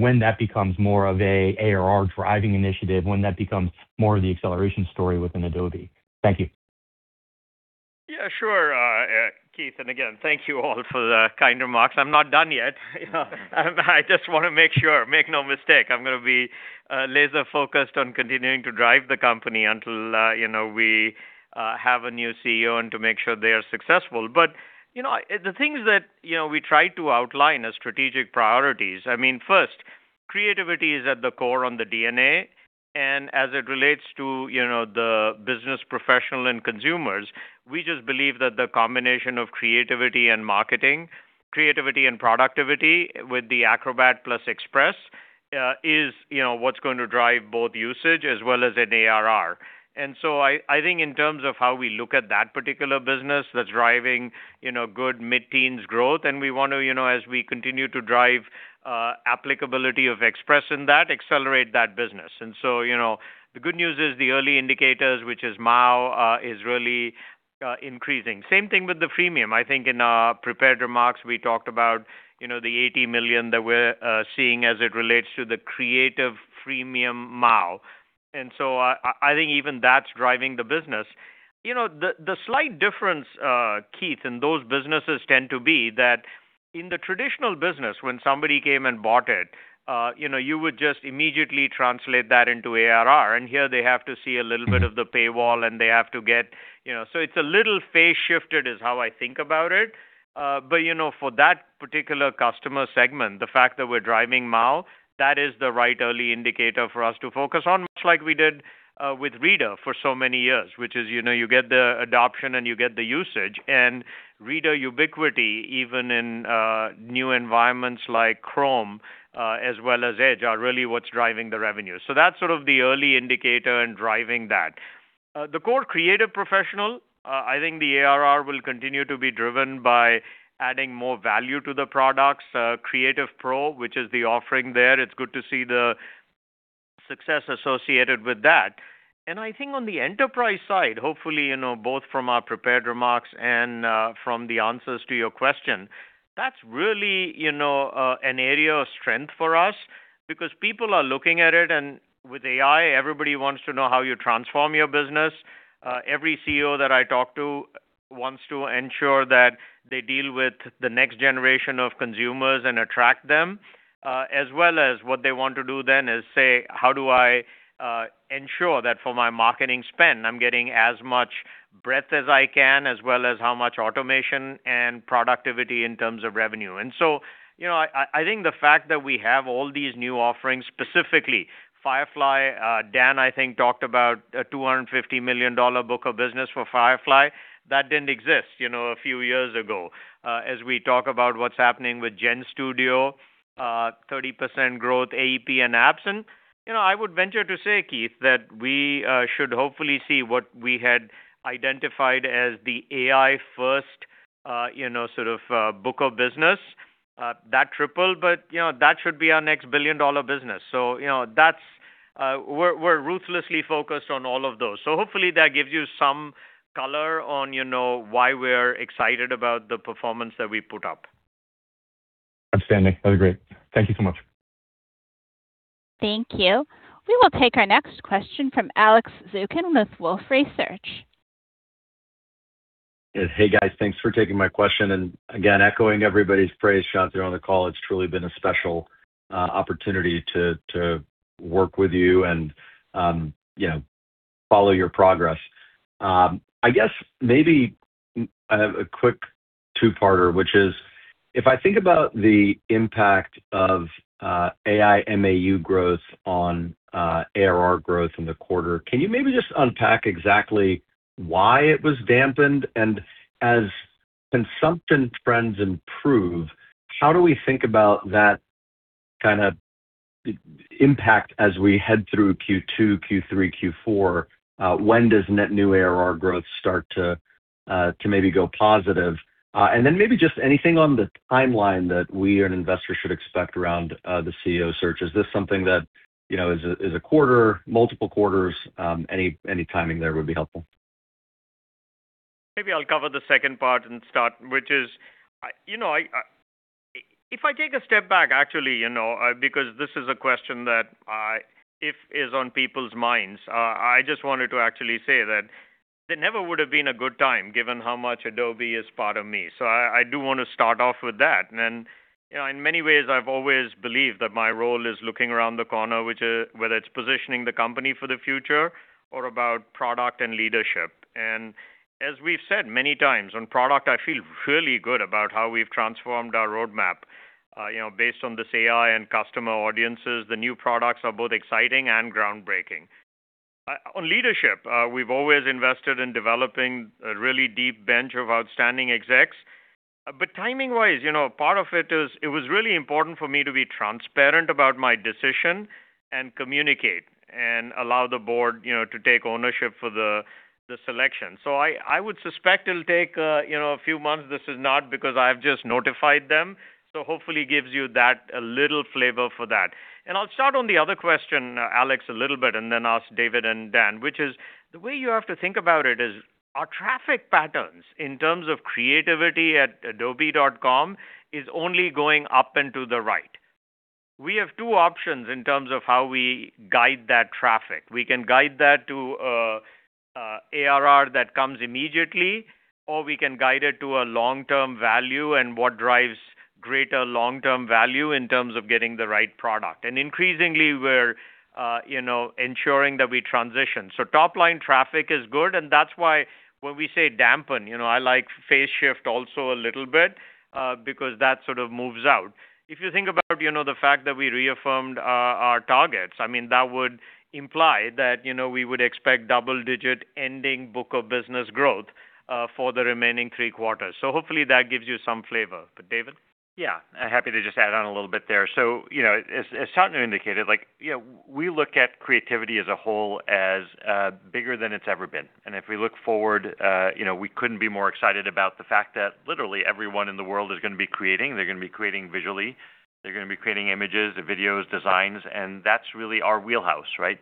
when that becomes more of a ARR driving initiative, when that becomes more of the acceleration story within Adobe. Thank you. Yeah, sure, Keith, and again, thank you all for the kind remarks. I'm not done yet. You know, I just wanna make sure. Make no mistake, I'm gonna be laser-focused on continuing to drive the company until, you know, we have a new CEO and to make sure they are successful. You know, the things that, you know, we try to outline as strategic priorities, I mean, first, creativity is at the core on the DNA. As it relates to, you know, the business professional and consumers, we just believe that the combination of creativity and marketing, creativity and productivity with the Acrobat plus Express is, you know, what's going to drive both usage as well as an ARR. I think in terms of how we look at that particular business, that's driving, you know, good mid-teens growth. We want to, you know, as we continue to drive applicability of Express in that, accelerate that business. You know, the good news is the early indicators, which is MAU, is really increasing. Same thing with the freemium. I think in our prepared remarks, we talked about, you know, the 80 million that we're seeing as it relates to the creative freemium MAU. I think even that's driving the business. You know, the slight difference, Keith, and those businesses tend to be, that in the traditional business, when somebody came and bought it, you know, you would just immediately translate that into ARR. And here they have to see a little bit of the paywall, and they have to get, you know. It's a little phase shifted, is how I think about it. You know, for that particular customer segment, the fact that we're driving MAU, that is the right early indicator for us to focus on, much like we did with Reader for so many years, which is, you know, you get the adoption and you get the usage. Reader ubiquity, even in new environments like Chrome as well as Edge, are really what's driving the revenue. That's sort of the early indicator in driving that. The core creative professional, I think the ARR will continue to be driven by adding more value to the products. Creative Pro, which is the offering there, it's good to see the success associated with that. I think on the enterprise side, hopefully, you know, both from our prepared remarks and from the answers to your question, that's really, you know, an area of strength for us because people are looking at it, and with AI, everybody wants to know how you transform your business. Every CEO that I talk to wants to ensure that they deal with the next generation of consumers and attract them, as well as what they want to do then is say, "How do I ensure that for my marketing spend, I'm getting as much breadth as I can, as well as how much automation and productivity in terms of revenue?" You know, I think the fact that we have all these new offerings, specifically Firefly. Dan, I think, talked about a $250 million book of business for Firefly. That didn't exist, you know, a few years ago. As we talk about what's happening with GenStudio, 30% growth, AEP and Apps. You know, I would venture to say, Keith, that we should hopefully see what we had identified as the AI first, you know, sort of, book of business, that tripled. You know, that should be our next billion-dollar business. You know, that's, we're ruthlessly focused on all of those. Hopefully that gives you some color on, you know, why we're excited about the performance that we put up. Outstanding. That was great. Thank you so much. Thank you. We will take our next question from Alex Zukin with Wolfe Research. Hey, guys. Thanks for taking my question. Again, echoing everybody's praise shot there on the call, it's truly been a special opportunity to work with you and, you know, follow your progress. I guess maybe I have a quick two-parter, which is, if I think about the impact of AI MAU growth on ARR growth in the quarter, can you maybe just unpack exactly why it was dampened? As consumption trends improve, how do we think about that kind of impact as we head through Q2, Q3, Q4? When does net new ARR growth start to maybe go positive? Then maybe just anything on the timeline that we or an investor should expect around the CEO search. Is this something that, you know, is a quarter, multiple quarters? Any timing there would be helpful. Maybe I'll cover the second part and start, which is, you know, if I take a step back, actually, you know, because this is a question that is on people's minds. I just wanted to actually say that there never would have been a good time, given how much Adobe is part of me. So I do want to start off with that. You know, in many ways, I've always believed that my role is looking around the corner, which is whether it's positioning the company for the future or about product and leadership. As we've said many times on product, I feel really good about how we've transformed our roadmap, you know, based on this AI and customer audiences. The new products are both exciting and groundbreaking. On leadership, we've always invested in developing a really deep bench of outstanding execs. Timing wise, you know, part of it is it was really important for me to be transparent about my decision and communicate and allow the board, you know, to take ownership for the selection. I would suspect it'll take, you know, a few months. This is not because I've just notified them. Hopefully gives you that a little flavor for that. I'll start on the other question, Alex, a little bit and then ask David and Dan, which is the way you have to think about it is our traffic patterns in terms of creativity at adobe.com is only going up and to the right. We have two options in terms of how we guide that traffic. We can guide that to ARR that comes immediately, or we can guide it to a long-term value and what drives greater long-term value in terms of getting the right product. Increasingly we're, you know, ensuring that we transition. Top-line traffic is good. That's why when we say dampen, you know, I like phase shift also a little bit, because that sort of moves out. If you think about, you know, the fact that we reaffirmed our targets, I mean, that would imply that, you know, we would expect double-digit ending book of business growth, for the remaining three quarters. Hopefully that gives you some flavor. David. Yeah, happy to just add on a little bit there. You know, as Shantanu indicated, like, you know, we look at creativity as a whole as bigger than it's ever been. If we look forward, you know, we couldn't be more excited about the fact that literally everyone in the world is going to be creating. They're going to be creating visually. They're going to be creating images, videos, designs, and that's really our wheelhouse, right?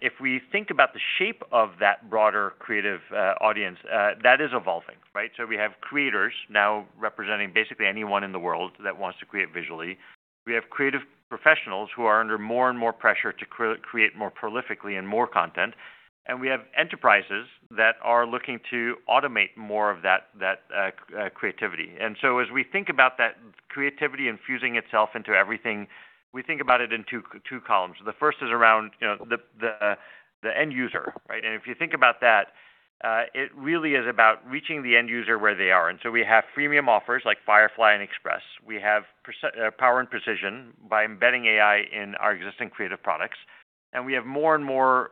If we think about the shape of that broader creative audience that is evolving, right? We have creators now representing basically anyone in the world that wants to create visually. We have creative professionals who are under more and more pressure to create more prolifically and more content. We have enterprises that are looking to automate more of that creativity. As we think about that creativity infusing itself into everything, we think about it in two columns. The first is around the end user, right? If you think about that, it really is about reaching the end user where they are. We have freemium offers like Firefly and Express. We have power and precision by embedding AI in our existing creative products. We have more and more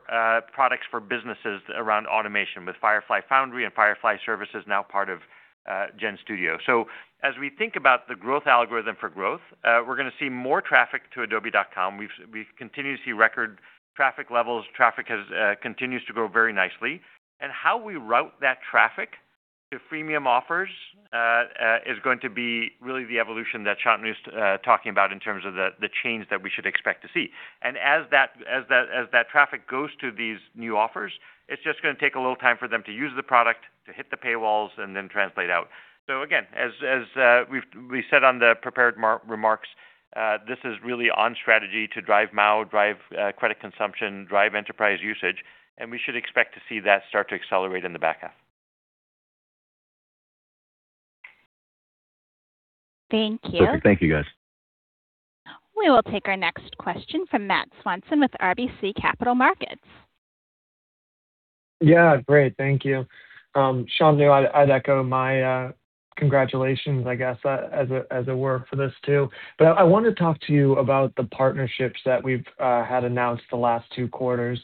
products for businesses around automation with Firefly Foundry and Firefly Services now part of GenStudio. As we think about the growth algorithm for growth, we're going to see more traffic to adobe.com. We continue to see record traffic levels. Traffic continues to grow very nicely. How we route that traffic to freemium offers is going to be really the evolution that Shantanu is talking about in terms of the change that we should expect to see. As that traffic goes to these new offers, it's just going to take a little time for them to use the product, to hit the paywalls and then translate out. Again, as we've said on the prepared remarks, this is really on strategy to drive MAU, drive credit consumption, drive enterprise usage, and we should expect to see that start to accelerate in the back half. Thank you. Perfect. Thank you guys. We will take our next question from Matt Swanson with RBC Capital Markets. Yeah, great. Thank you. Shantanu, I'd echo my congratulations, I guess, as it were for this too. I want to talk to you about the partnerships that we've had announced the last two quarters.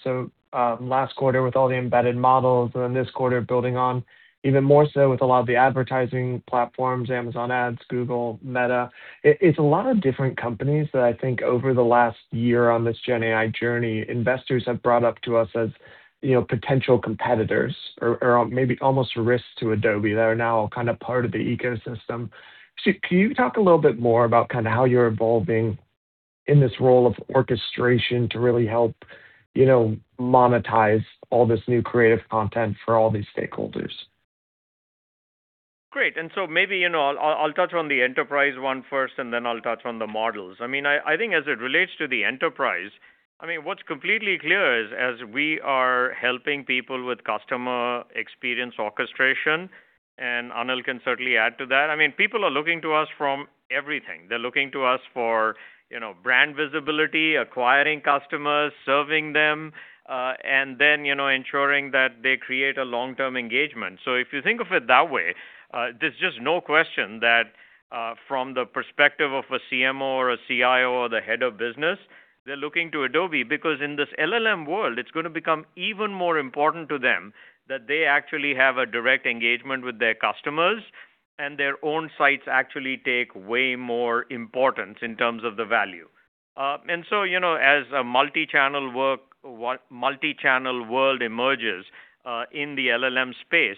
Last quarter with all the embedded models and then this quarter building on even more so with a lot of the advertising platforms, Amazon Ads, Google, Meta. It's a lot of different companies that I think over the last year on this GenAI journey, investors have brought up to us as, you know, potential competitors or maybe almost a risk to Adobe that are now kind of part of the ecosystem. Can you talk a little bit more about kind of how you're evolving in this role of orchestration to really help, you know, monetize all this new creative content for all these stakeholders? Great. Maybe, you know, I'll touch on the enterprise one first, and then I'll touch on the models. I mean, I think as it relates to the enterprise, I mean, what's completely clear is as we are helping people with customer experience orchestration, and Anil can certainly add to that. I mean, people are looking to us for everything. They're looking to us for, you know, brand visibility, acquiring customers, serving them, and then, you know, ensuring that they create a long-term engagement. If you think of it that way, there's just no question that, from the perspective of a CMO or a CIO or the head of business, they're looking to Adobe because in this LLM world, it's going to become even more important to them that they actually have a direct engagement with their customers and their own sites actually take way more importance in terms of the value. You know, as a multichannel world emerges in the LLM space,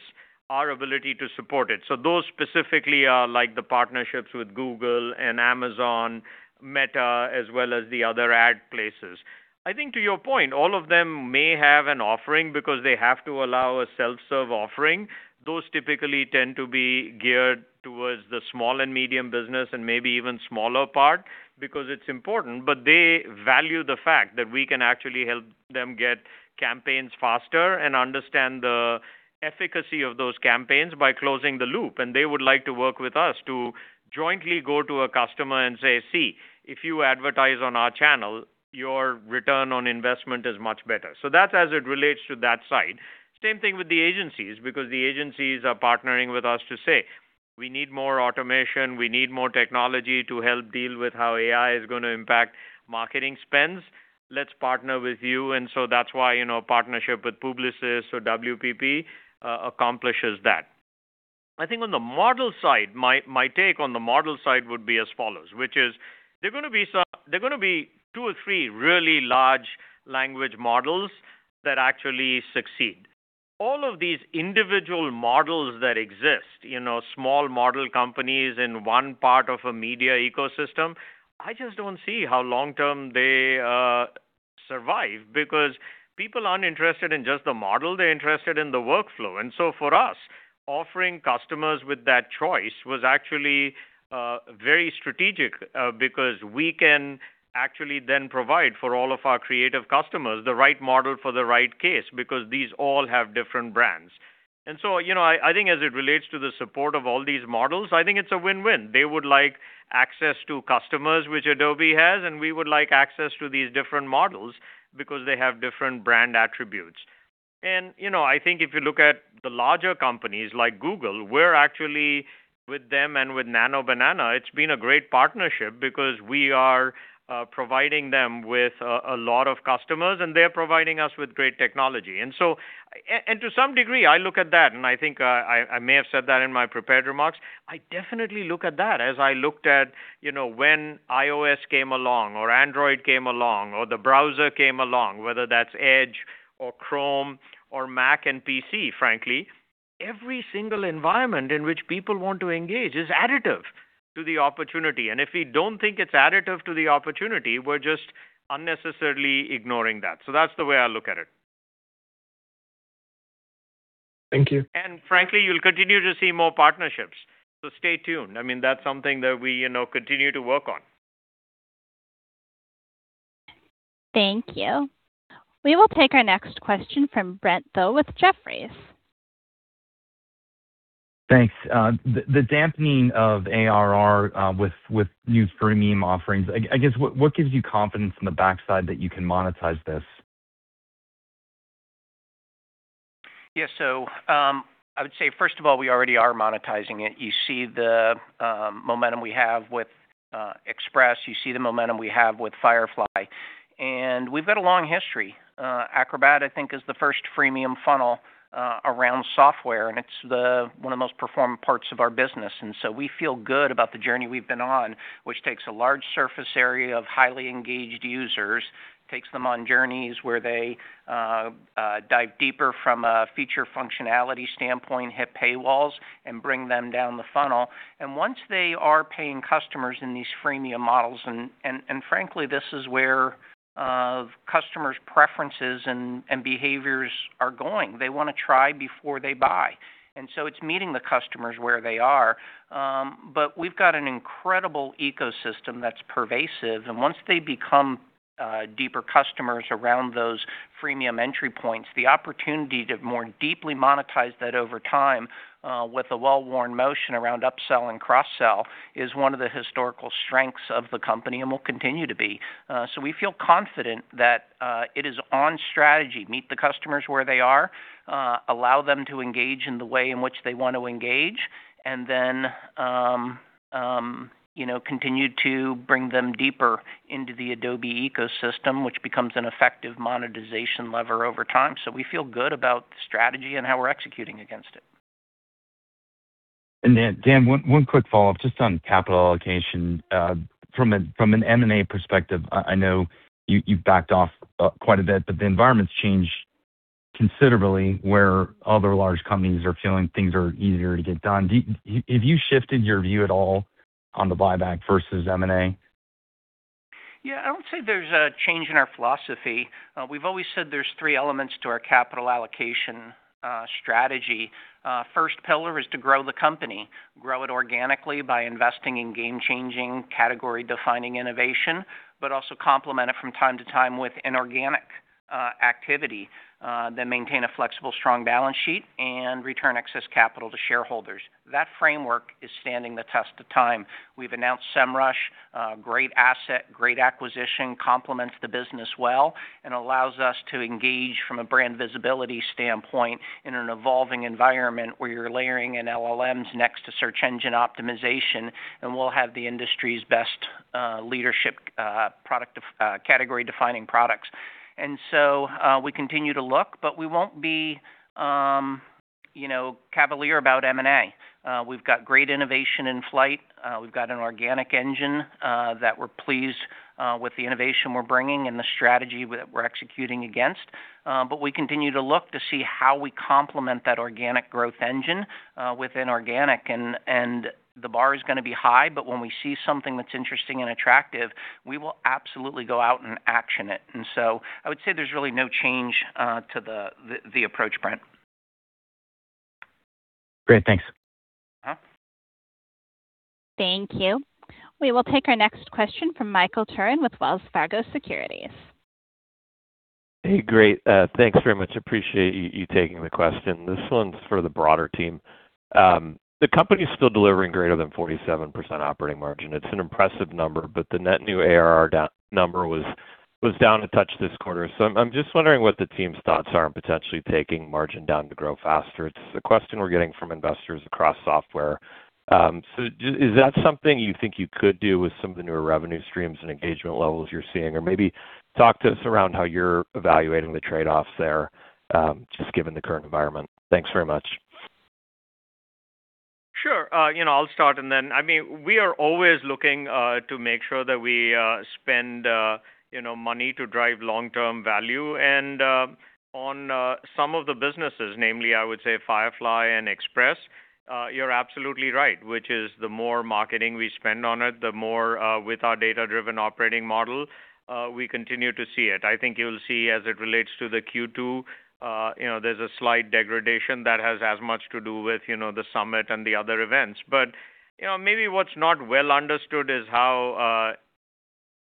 our ability to support it. Those specifically are like the partnerships with Google and Amazon, Meta, as well as the other ad places. I think to your point, all of them may have an offering because they have to allow a self-serve offering. Those typically tend to be geared towards the small and medium business and maybe even smaller part because it's important, but they value the fact that we can actually help them get campaigns faster and understand the efficacy of those campaigns by closing the loop. They would like to work with us to jointly go to a customer and say, "See, if you advertise on our channel, your return on investment is much better." That's as it relates to that side. Same thing with the agencies, because the agencies are partnering with us to say, "We need more automation. We need more technology to help deal with how AI is going to impact marketing spends. Let's partner with you." That's why, you know, partnership with Publicis or WPP accomplishes that. I think on the model side, my take on the model side would be as follows, which is there are going to be two or three really large language models that actually succeed. All of these individual models that exist, you know, small model companies in one part of a media ecosystem, I just don't see how long-term they survive because people aren't interested in just the model, they're interested in the workflow. For us, offering customers with that choice was actually very strategic because we can actually then provide for all of our creative customers the right model for the right case, because these all have different brands. You know, I think as it relates to the support of all these models, I think it's a win-win. They would like access to customers, which Adobe has, and we would like access to these different models because they have different brand attributes. You know, I think if you look at the larger companies like Google, we're actually with them and with Nano Banana, it's been a great partnership because we are providing them with a lot of customers, and they're providing us with great technology. To some degree, I look at that, and I think I may have said that in my prepared remarks. I definitely look at that as I looked at, you know, when iOS came along or Android came along or the browser came along, whether that's Edge or Chrome or Mac and PC, frankly. Every single environment in which people want to engage is additive to the opportunity. If we don't think it's additive to the opportunity, we're just unnecessarily ignoring that. That's the way I look at it. Thank you. Frankly, you'll continue to see more partnerships. Stay tuned. I mean, that's something that we, you know, continue to work on. Thank you. We will take our next question from Brent Thill with Jefferies. Thanks. The dampening of ARR with new freemium offerings, I guess what gives you confidence in the back half that you can monetize this? Yeah. I would say, first of all, we already are monetizing it. You see the momentum we have with Express. You see the momentum we have with Firefly. We've got a long history. Acrobat, I think, is the first freemium funnel around software, and it's one of the most performing parts of our business. We feel good about the journey we've been on, which takes a large surface area of highly engaged users, takes them on journeys where they dive deeper from a feature functionality standpoint, hit paywalls, and bring them down the funnel. Once they are paying customers in these freemium models, and frankly, this is where customers' preferences and behaviors are going. They want to try before they buy. It's meeting the customers where they are. We've got an incredible ecosystem that's pervasive, and once they become deeper customers around those freemium entry points, the opportunity to more deeply monetize that over time with a well-worn motion around upsell and cross-sell is one of the historical strengths of the company and will continue to be. We feel confident that it is on strategy, meet the customers where they are, allow them to engage in the way in which they want to engage, and then you know, continue to bring them deeper into the Adobe ecosystem, which becomes an effective monetization lever over time. We feel good about the strategy and how we're executing against it. Dan, one quick follow-up just on capital allocation. From an M&A perspective, I know you've backed off quite a bit, but the environment's changed considerably where other large companies are feeling things are easier to get done. Have you shifted your view at all on the buyback versus M&A? Yeah. I won't say there's a change in our philosophy. We've always said there's three elements to our capital allocation strategy. First pillar is to grow the company, grow it organically by investing in game-changing, category-defining innovation, but also complement it from time to time with inorganic activity, then maintain a flexible, strong balance sheet and return excess capital to shareholders. That framework is standing the test of time. We've announced Semrush, great asset, great acquisition, complements the business well, and allows us to engage from a brand visibility standpoint in an evolving environment where you're layering in LLMs next to search engine optimization, and we'll have the industry's best leadership, category-defining products. We continue to look, but we won't be, you know, cavalier about M&A. We've got great innovation in flight. We've got an organic engine that we're pleased with the innovation we're bringing and the strategy we're executing against. But we continue to look to see how we complement that organic growth engine within organic and the bar is gonna be high, but when we see something that's interesting and attractive, we will absolutely go out and action it. I would say there's really no change to the approach, Brent. Great. Thanks. Uh-huh. Thank you. We will take our next question from Michael Turrin with Wells Fargo Securities. Hey, great. Thanks very much. Appreciate you taking the question. This one's for the broader team. The company is still delivering greater than 47% operating margin. It's an impressive number, but the net new ARR down number was down a touch this quarter. I'm just wondering what the team's thoughts are on potentially taking margin down to grow faster. It's a question we're getting from investors across software. Is that something you think you could do with some of the newer revenue streams and engagement levels you're seeing? Or maybe talk to us around how you're evaluating the trade-offs there, just given the current environment. Thanks very much. Sure. You know, I'll start and then I mean, we are always looking to make sure that we spend you know money to drive long-term value. On some of the businesses, namely, I would say, Firefly and Express, you're absolutely right, which is the more marketing we spend on it, the more with our data-driven operating model we continue to see it. I think you'll see as it relates to the Q2, you know, there's a slight degradation that has as much to do with you know the Summit and the other events. You know, maybe what's not well understood is how,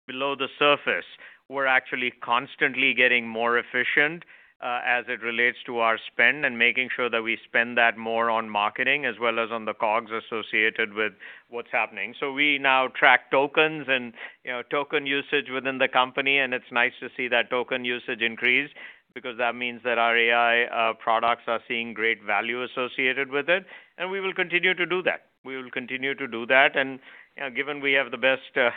below the surface, we're actually constantly getting more efficient, as it relates to our spend and making sure that we spend that more on marketing as well as on the costs associated with what's happening. We now track tokens and, you know, token usage within the company, and it's nice to see that token usage increase because that means that our AI products are seeing great value associated with it, and we will continue to do that. Given we have the best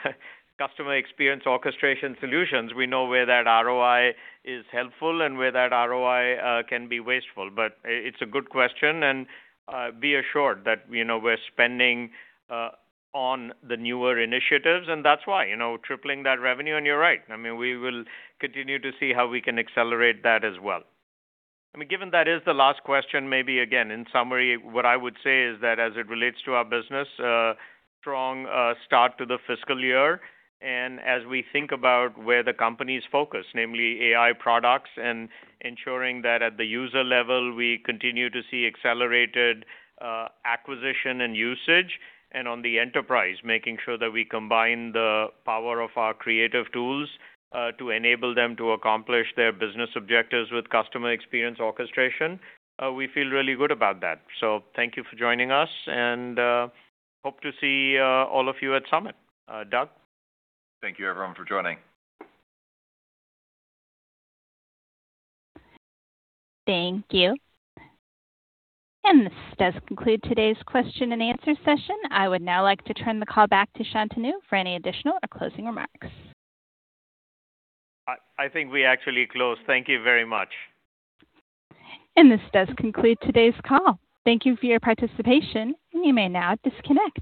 customer experience orchestration solutions, we know where that ROI is helpful and where that ROI can be wasteful. It's a good question, and be assured that, you know, we're spending on the newer initiatives, and that's why, you know, tripling that revenue, and you're right. I mean, we will continue to see how we can accelerate that as well. I mean, given that is the last question, maybe again, in summary, what I would say is that as it relates to our business, a strong start to the fiscal year. As we think about where the company is focused, namely AI products and ensuring that at the user level, we continue to see accelerated acquisition and usage, and on the enterprise, making sure that we combine the power of our creative tools to enable them to accomplish their business objectives with customer experience orchestration. We feel really good about that. Thank you for joining us, and hope to see all of you at Summit. Doug? Thank you, everyone, for joining. Thank you. This does conclude today's question and answer session. I would now like to turn the call back to Shantanu for any additional or closing remarks. I think we actually close. Thank you very much. This does conclude today's call. Thank you for your participation. You may now disconnect.